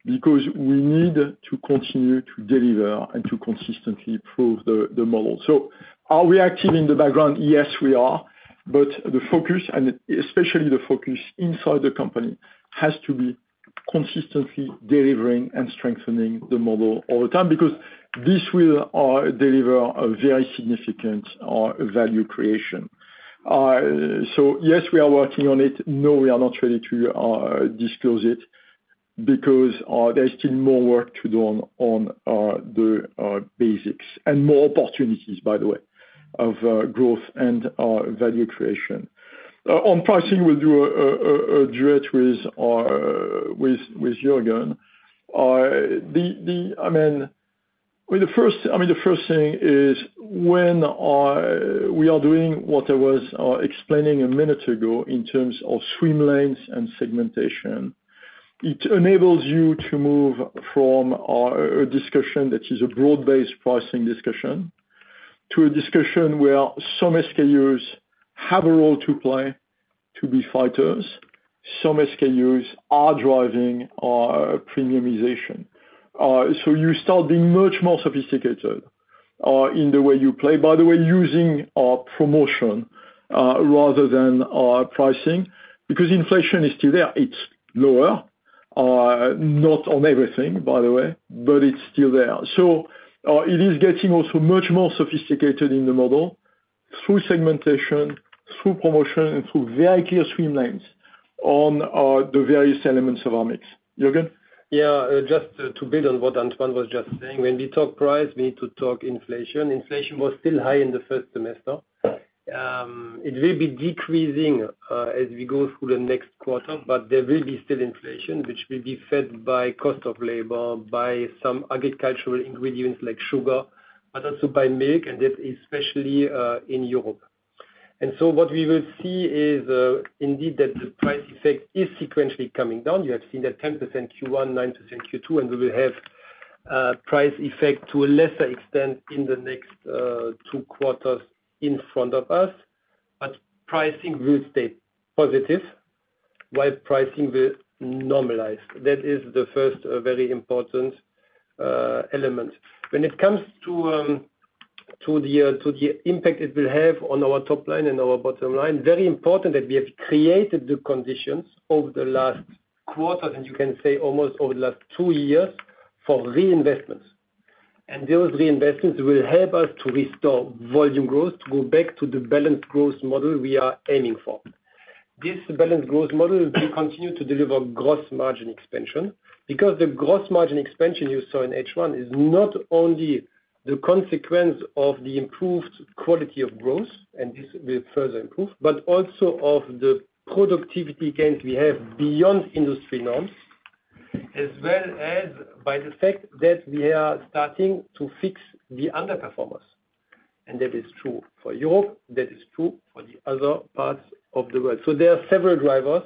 because we need to continue to deliver and to consistently prove the model. Are we active in the background? Yes, we are, but the focus, and especially the focus inside the company, has to be consistently delivering and strengthening the model all the time, because this will deliver a very significant value creation. Yes, we are working on it. No, we are not ready to disclose it, because there's still more work to do on the basics, and more opportunities, by the way, of growth and value creation. On pricing, we'll do a duet with Juergen. The first thing is, when we are doing what I was explaining a minute ago in terms of streamlines and segmentation, it enables you to move from a discussion that is a broad-based pricing discussion, to a discussion where some SKUs have a role to play, to be fighters, some SKUs are driving our premiumization. You start being much more sophisticated in the way you play, by the way, using our promotion, rather than our pricing, because inflation is still there. It's lower, not on everything, by the way, but it's still there. It is getting also much more sophisticated in the model, through segmentation, through promotion, and through very clear streamlines on the various elements of our mix. Juergen? Yeah, just to build on what Antoine was just saying, when we talk price, we need to talk inflation. Inflation was still high in the first semester. It will be decreasing as we go through the next quarter, but there will be still inflation, which will be fed by cost of labor, by some agricultural ingredients, like sugar, but also by milk, and that especially in Europe. What we will see is indeed, that the price effect is sequentially coming down. You have seen that 10% Q1, 9% Q2, and we will have price effect to a lesser extent in the next two quarters in front of us. Pricing will stay positive, while pricing will normalize. That is the first very important element. When it comes to the impact it will have on our top line and our bottom line, very important that we have created the conditions over the last quarter, and you can say almost over the last two years, for reinvestment.and those reinvestments will help us to restore volume growth, to go back to the balanced growth model we are aiming for. This balanced growth model will continue to deliver gross margin expansion, because the gross margin expansion you saw in H1 is not only the consequence of the improved quality of growth, and this will further improve, but also of the productivity gains we have beyond industry norms, as well as by the fact that we are starting to fix the underperformers. That is true for Europe, that is true for the other parts of the world. There are several drivers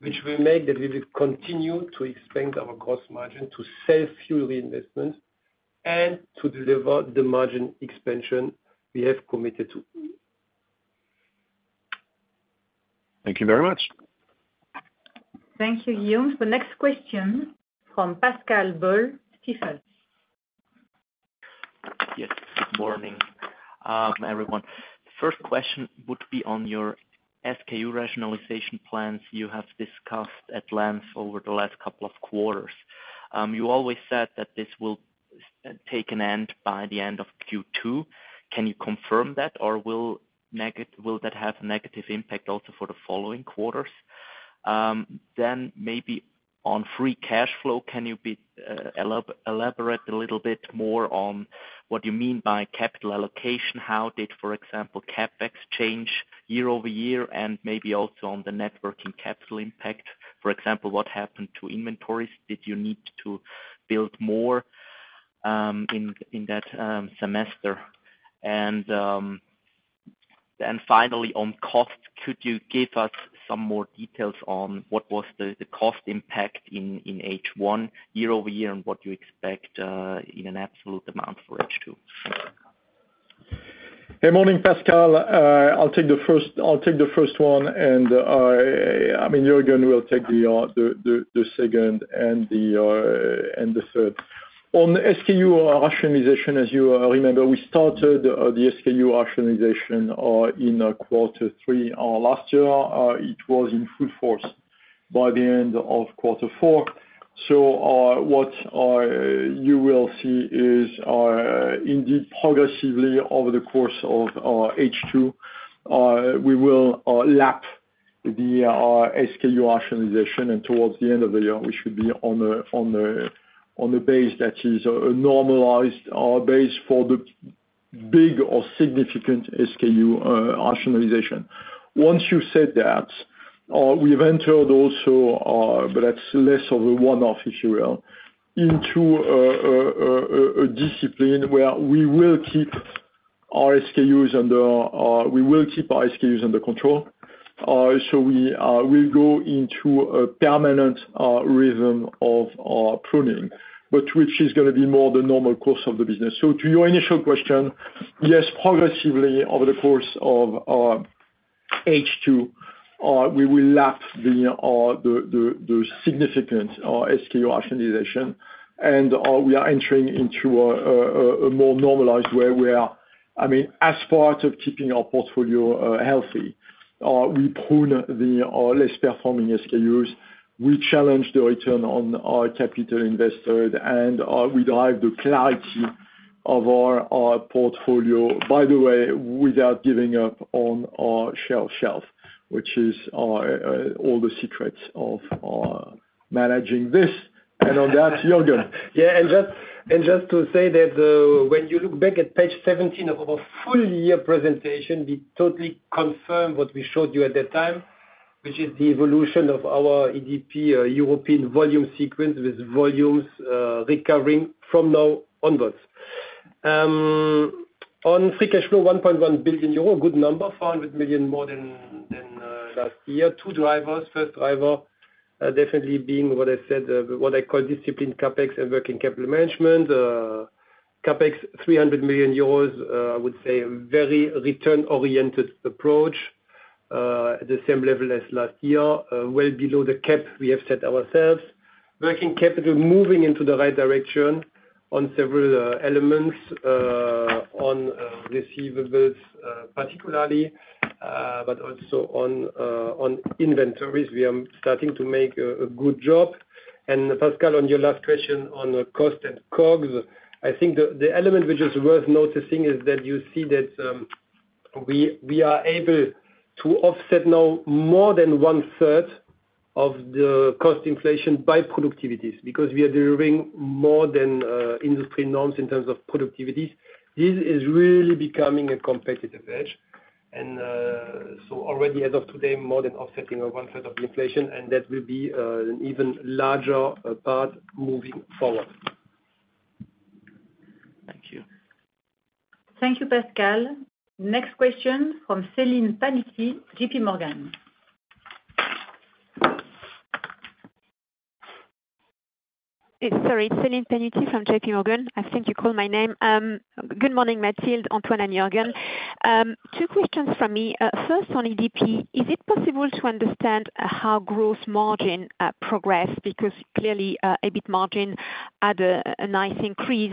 which will make that we will continue to expand our gross margin, to self-fuel the investments, and to deliver the margin expansion we have committed to. Thank you very much. Thank you, Guillaume. The next question from Pascal Boll, Stifel. Yes, good morning, everyone. First question would be on your SKU rationalization plans you have discussed at length over the last couple of quarters. You always said that this will take an end by the end of Q2. Can you confirm that? Will that have a negative impact also for the following quarters? Maybe on free cash flow, can you elaborate a little bit more on what you mean by capital allocation? How did, for example, CapEx change year-over-year, and maybe also on the networking capital impact? For example, what happened to inventories? Did you need to build more in that semester? Finally, on cost, could you give us some more details on what was the cost impact in H1 year-over-year, and what you expect in an absolute amount for H2? Hey, morning, Pascal. I'll take the first one, and I mean, Juergen will take the second and the third. On the SKU rationalization, as you remember, we started the SKU rationalization in quarter three last year. It was in full force by the end of quarter four. What you will see is indeed, progressively over the course of H2, we will lap the SKU rationalization, and towards the end of the year, we should be on a base that is a normalized base for the big or significant SKU rationalization. Once you've said that, we've entered also, but that's less of a one-off issue, well, into a discipline where we will keep our SKUs under control. We will go into a permanent rhythm of pruning, but which is gonna be more the normal course of the business. To your initial question, yes, progressively over the course of H2, we will lap the significant SKU rationalization, and we are entering into a more normalized where we are. I mean, as part of keeping our portfolio healthy, we prune the less performing SKUs, we challenge the return on our capital invested, and we drive the clarity of our portfolio, by the way, without giving up on our shelf, which is all the secrets of managing this. On that, Juergen. Just to say that when you look back at page 17 of our full year presentation, we totally confirm what we showed you at that time, which is the evolution of our EDP European volume sequence with volumes recovering from now onwards. On free cash flow, 1.1 billion euro, good number, 400 million more than last year. Two drivers, first driver definitely being what I said, what I call disciplined CapEx and working capital management. CapEx 300 million euros, I would say very return-oriented approach, the same level as last year, well below the cap we have set ourselves. Working capital moving into the right direction on several elements, on receivables particularly, but also on inventories. We are starting to make a good job. Pascal, on your last question on the cost and COGS, I think the element which is worth noticing is that you see that we are able to offset now more than one third of the cost inflation by productivities, because we are deriving more than industry norms in terms of productivities. This is really becoming a competitive edge. Already as of today, more than offsetting of one third of the inflation, and that will be an even larger part moving forward. Thank you. Thank you, Pascal. Next question from Celine Pannuti, JPMorgan. It's, sorry, it's Celine Pannuti from JPMorgan. I think you called my name. Good morning, Mathilde, Antoine, and Juergen. Two questions from me. First on EDP, is it possible to understand how growth margin progressed? Clearly, EBIT margin had a nice increase.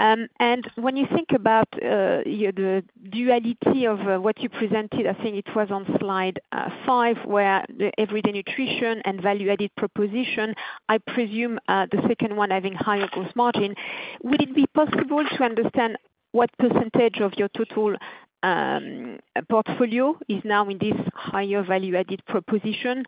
When you think about the duality of what you presented, I think it was on slide five, where the everyday nutrition and value-added proposition, I presume, the second one having higher gross margin, would it be possible to understand what % of your total portfolio is now in this higher value-added proposition?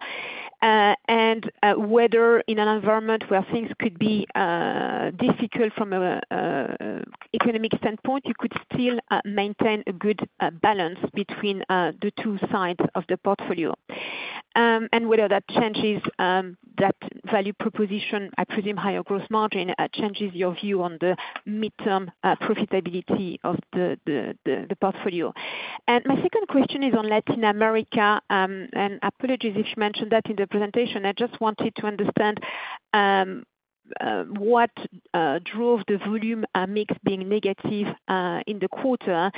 Whether in an environment where things could be difficult from an economic standpoint, you could still maintain a good balance between the two sides of the portfolio. Whether that changes, that value proposition, I presume, higher gross margin, changes your view on the midterm profitability of the portfolio. My second question is on Latin America, and apologies if you mentioned that in the presentation. I just wanted to understand what drove the volume mix being negative in the quarter?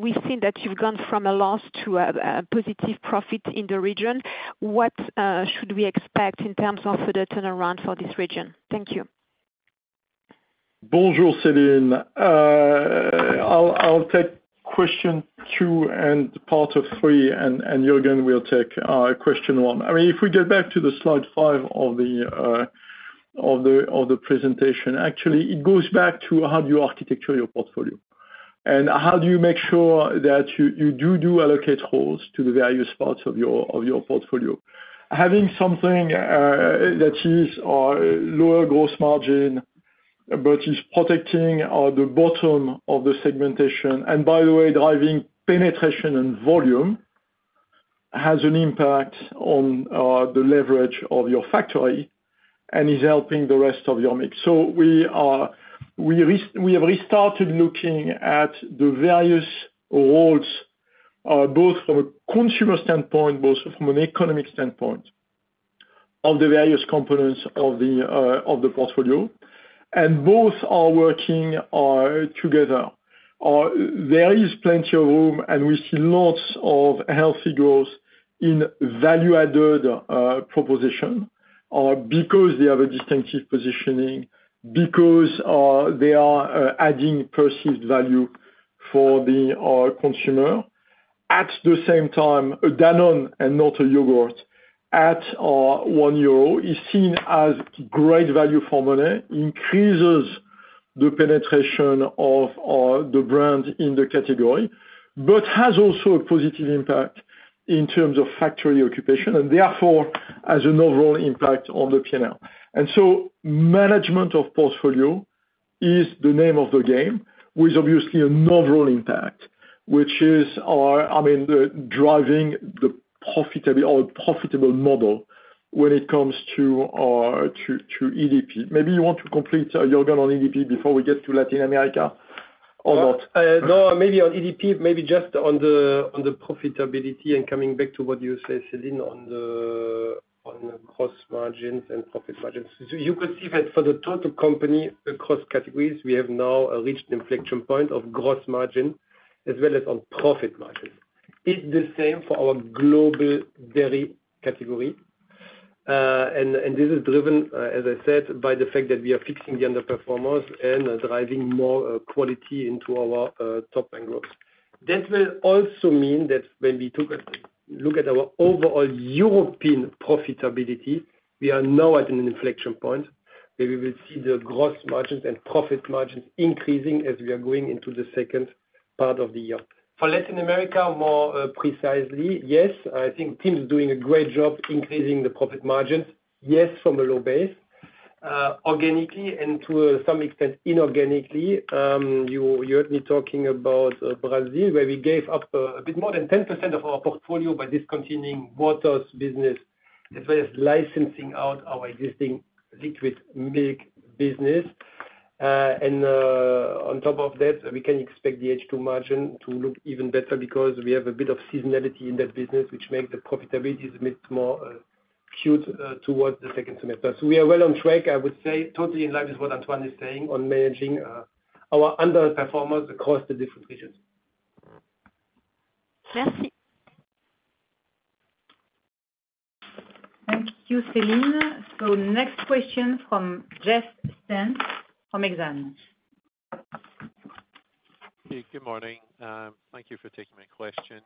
We've seen that you've gone from a loss to a positive profit in the region. What should we expect in terms of the turnaround for this region? Thank you. Bonjour, Celine. I'll take question two and part of three, and Juergen will take question one. I mean, if we get back to the slide five of the presentation, actually, it goes back to how do you architecture your portfolio? How do you make sure that you do allocate roles to the various parts of your portfolio. Having something that is lower gross margin, but is protecting the bottom of the segmentation, and by the way, driving penetration and volume, has an impact on the leverage of your factory and is helping the rest of your mix. We have restarted looking at the various roles, both from a consumer standpoint, both from an economic standpoint, of the various components of the portfolio. Both are working together. There is plenty of room, and we see lots of healthy growth in value-added proposition, because they have a distinctive positioning, because they are adding perceived value for our consumer. At the same time, Danone and not yogurt at 1 euro is seen as great value for money, increases the penetration of the brand in the category, but has also a positive impact in terms of factory occupation, and therefore, has an overall impact on the P&L. Management of portfolio is the name of the game, with obviously a novel impact, which is, I mean, the driving the profitable model when it comes to EDP. Maybe you want to complete, Juergen, on EDP before we get to Latin America, or not? On EDP, just on the profitability and coming back to what you say, Celine, on the cost margins and profit margins. You could see that for the total company, across categories, we have now reached inflection point of gross margin, as well as on profit margin. It's the same for our global dairy category, and this is driven, as I said, by the fact that we are fixing the underperformers and driving more quality into our top angles. That will also mean that when we took a look at our overall European profitability, we are now at an inflection point, where we will see the gross margins and profit margins increasing as we are going into the second part of the year. For Latin America, more precisely, yes, I think the team is doing a great job increasing the profit margins. Yes, from a low base, organically and to some extent inorganically. You heard me talking about Brazil, where we gave up a bit more than 10% of our portfolio by discontinuing waters business, as well as licensing out our existing liquid milk business. On top of that, we can expect the H2 margin to look even better, because we have a bit of seasonality in that business, which make the profitability a bit more skewed towards the second semester. We are well on track, I would say totally in line with what Antoine is saying on managing our underperformers across the different regions. Merci. Thank you, Celine Pannuti. Next question from Jeff Stent from Exane. Hey, good morning. Thank you for taking my question.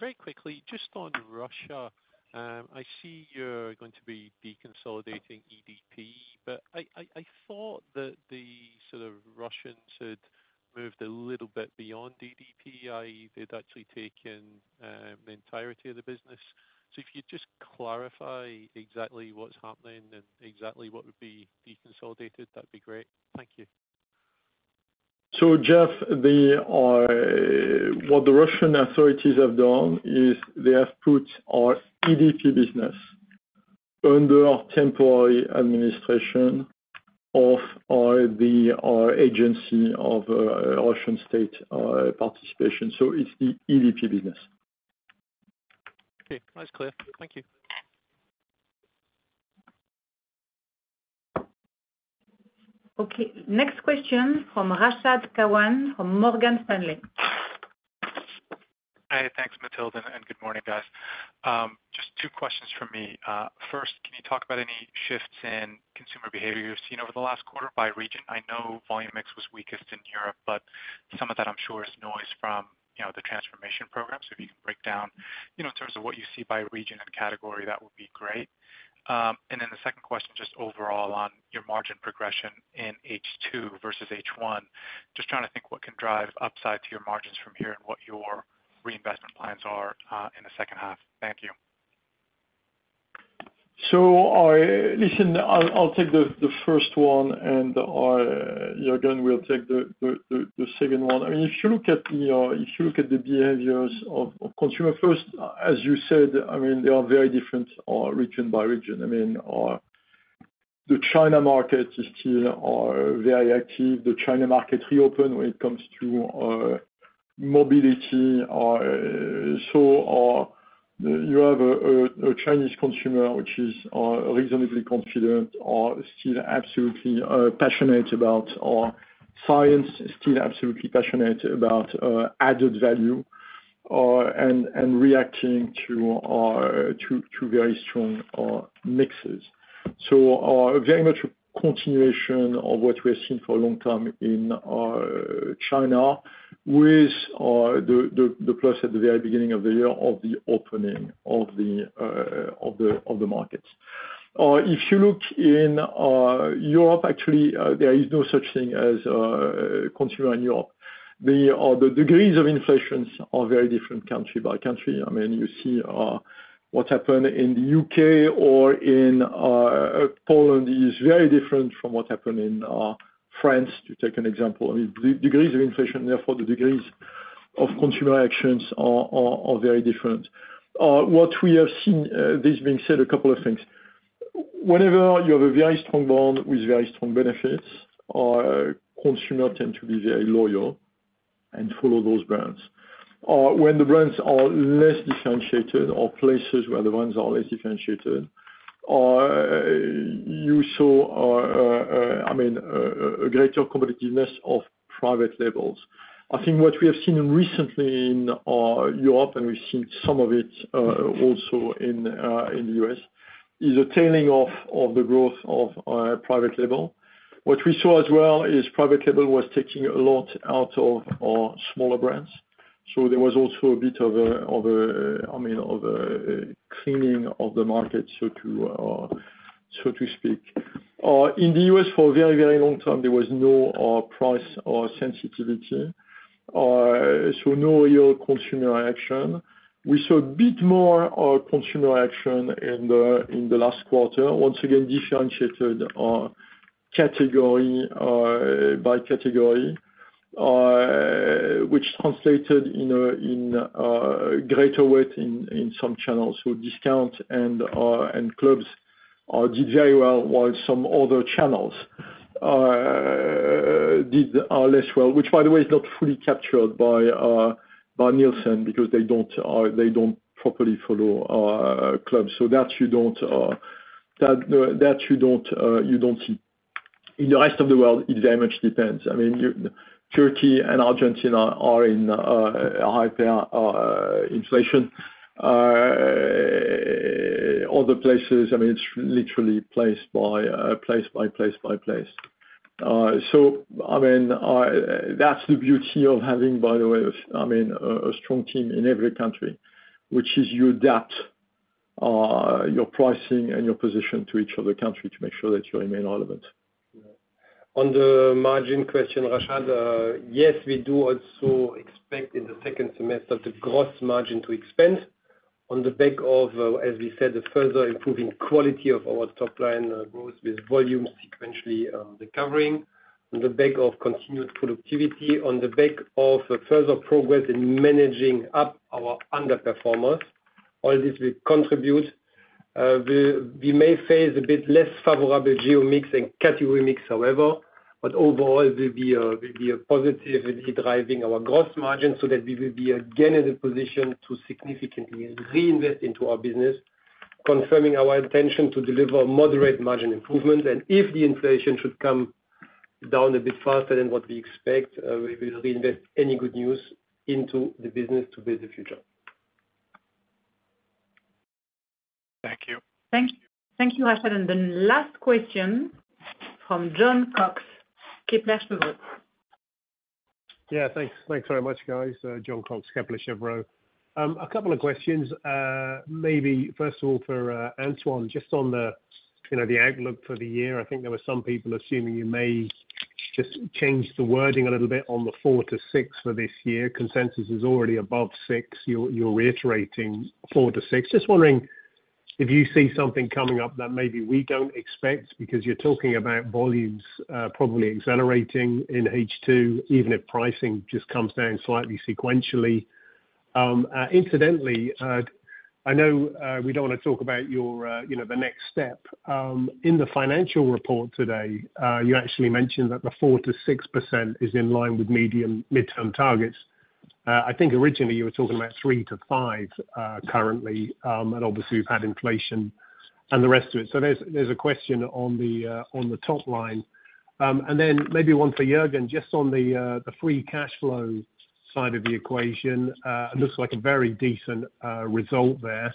Very quickly, just on Russia, I see you're going to be deconsolidating EDP, but I thought that the sort of Russians had moved a little bit beyond EDP, i.e., they'd actually taken the entirety of the business. If you'd just clarify exactly what's happening and exactly what would be deconsolidated, that'd be great. Thank you. Jeff, what the Russian authorities have done is they have put our EDP business under temporary administration of our agency of Russian state participation, so it's the EDP business. Okay, that's clear. Thank you. Okay, next question from Rashad Kawan, from Morgan Stanley. Mathilde Rodié, good morning, guys. Just two questions from me. First, can you talk about any shifts in consumer behavior you've seen over the last quarter by region? I know volume mix was weakest in Europe, but some of that I'm sure, is noise from, you know, the transformation program. If you can break down, you know, in terms of what you see by region and category, that would be great. The second question, just overall on your margin progression in H2 versus H1, just trying to think what can drive upside to your margins from here and what your reinvestment plans are in the second half. Thank you. Listen, I'll take the first one and Juergen will take the second one. I mean, if you look at, if you look at the behaviors of consumer first, as you said, I mean, they are very different region by region. I mean, the China market is still very active. The China market reopen when it comes to mobility, so you have a Chinese consumer, which is reasonably confident, still absolutely passionate about science, still absolutely passionate about added value, and reacting to very strong mixes. Very much a continuation of what we have seen for a long time in China with the plus at the very beginning of the year of the opening of the markets. If you look in Europe, actually, there is no such thing as consumer in Europe. The degrees of inflations are very different country by country. I mean, you see, what happened in the U.K. or in Poland is very different from what happened in France, to take an example. I mean, the degrees of inflation, therefore the degrees of consumer actions are very different. What we have seen, this being said, a couple of things. Whenever you have a very strong brand with very strong benefits, consumer tend to be very loyal and follow those brands. When the brands are less differentiated or places where the brands are less differentiated, you saw, I mean, a greater competitiveness of private labels. I think what we have seen recently in Europe, and we've seen some of it also in the U.S., is a tailing off of the growth of private label. What we saw as well, is private label was taking a lot out of smaller brands, so there was also a bit of a, I mean, of a cleaning of the market, so to speak. In the U.S. for a very, very long time, there was no price or sensitivity, so no real consumer action. We saw a bit more consumer action in the last quarter, once again, differentiated category by category, which translated in a greater weight in some channels with discount and clubs did very well, while some other channels did less well. By the way, is not fully captured by Nielsen, because they don't properly follow clubs. That you don't see. In the rest of the world, it very much depends. I mean, Turkey and Argentina are in a high inflation. Other places, I mean, it's literally place by place by place by place. I mean, that's the beauty of having, by the way, I mean, a strong team in every country, which is you adapt your pricing and your position to each other country to make sure that you remain relevant. On the margin question, Rashad, yes, we do also expect in the second semester the gross margin to expand on the back of, as we said, the further improving quality of our top line, growth with volume sequentially, recovering on the back of continued productivity, on the back of a further progress in managing up our underperformers. All this will contribute, we may face a bit less favorable geo mix and category mix, however, but overall, we'll be a positive in driving our gross margin so that we will be again, in a position to significantly reinvest into our business, confirming our intention to deliver moderate margin improvement. If the inflation should come down a bit faster than what we expect, we will reinvest any good news into the business to build the future. Thank you. Thank you, thank you, Rashad. The last question from Jon Cox, Kepler Cheuvreux. Yeah, thanks. Thanks very much, guys. Jon Cox, Kepler Cheuvreux. A couple of questions, maybe first of all, for Antoine, just on the, you know, the outlook for the year. I think there were some people assuming you may just change the wording a little bit on the 4%-6% for this year. Consensus is already above 6, you're reiterating 4%-6%. Just wondering if you see something coming up that maybe we don't expect, because you're talking about volumes, probably accelerating in H2, even if pricing just comes down slightly sequentially. Incidentally, I know, we don't wanna talk about your, you know, the next step. In the financial report today, you actually mentioned that the 4%-6% is in line with medium midterm targets. I think originally you were talking about 3%-5% currently, and obviously you've had inflation and the rest of it. There's a question on the top line. Then maybe one for Juergen, just on the free cash flow side of the equation, it looks like a very decent result there.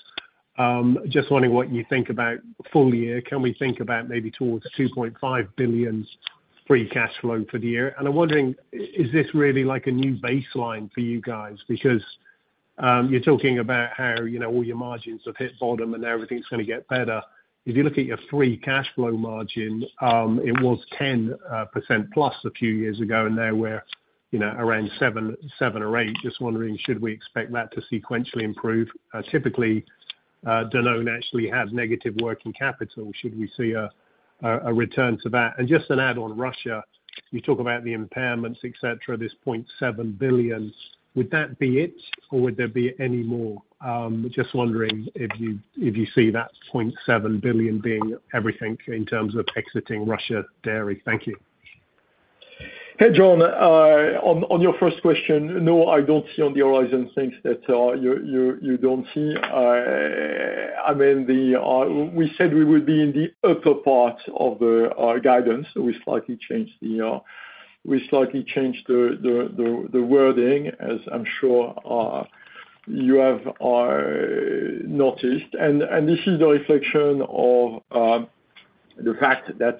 Just wondering what you think about full year. Can we think about maybe towards 2.5 billion free cash flow for the year? I'm wondering, is this really like a new baseline for you guys? Because you're talking about how, you know, all your margins have hit bottom and everything's gonna get better. If you look at your free cash flow margin, it was 10% plus a few years ago, and now we're, you know, around 7%-8%. Just wondering, should we expect that to sequentially improve? Typically, Danone actually has negative working capital. Should we see a return to that? Just an add on Russia, you talk about the impairments, et cetera, this 0.7 billion. Would that be it, or would there be any more? Just wondering if you see that 0.7 billion being everything in terms of exiting Russia dairy. Thank you. Hey, Jon. On your first question, no, I don't see on the horizon things that you don't see. I mean, we said we would be in the upper part of our guidance. We slightly changed the wording, as I'm sure you have noticed. And this is a reflection of the fact that,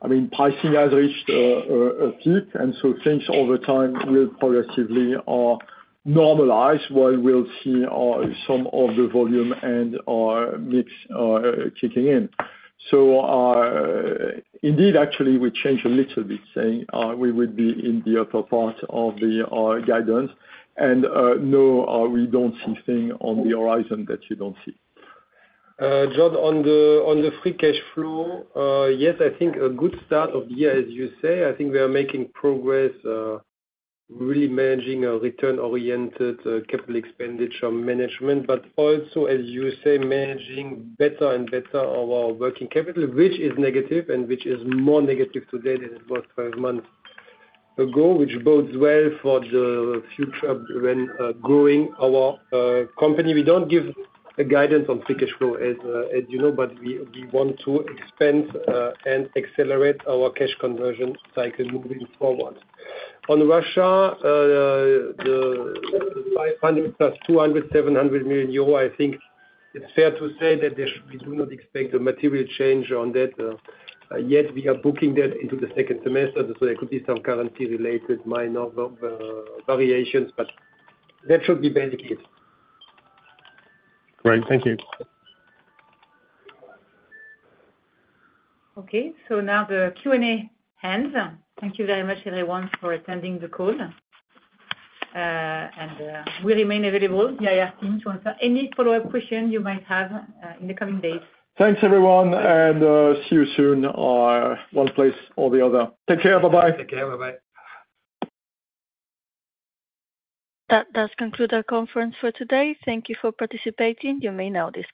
I mean, pricing has reached a peak, things over time will progressively normalize, while we'll see some of the volume and mix kicking in. Indeed, actually, we changed a little bit, saying we would be in the upper part of our guidance, no, we don't see things on the horizon that you don't see. Jon, on the, on the free cash flow, yes, I think a good start of the year, as you say. I think we are making progress, really managing a return-oriented, CapEx management, but also, as you say, managing better and better our working capital, which is negative and which is more negative today than about months ago, which bodes well for the future when growing our company. We don't give a guidance on free cash flow, as you know, but we want to expand and accelerate our cash conversion cycle moving forward. On Russia, the 500 plus 200, 700 million euro, I think it's fair to say that we do not expect a material change on that. We are booking that into the second semester. There could be some currency-related minor variations. That should be basically it. Great. Thank you. Okay, now the Q&A ends. Thank you very much, everyone, for attending the call. We remain available via our team to answer any follow-up question you might have in the coming days. Thanks, everyone, see you soon, one place or the other. Take care. Bye-bye. Take care, bye-bye. That does conclude our conference for today. Thank you for participating. You may now disconnect.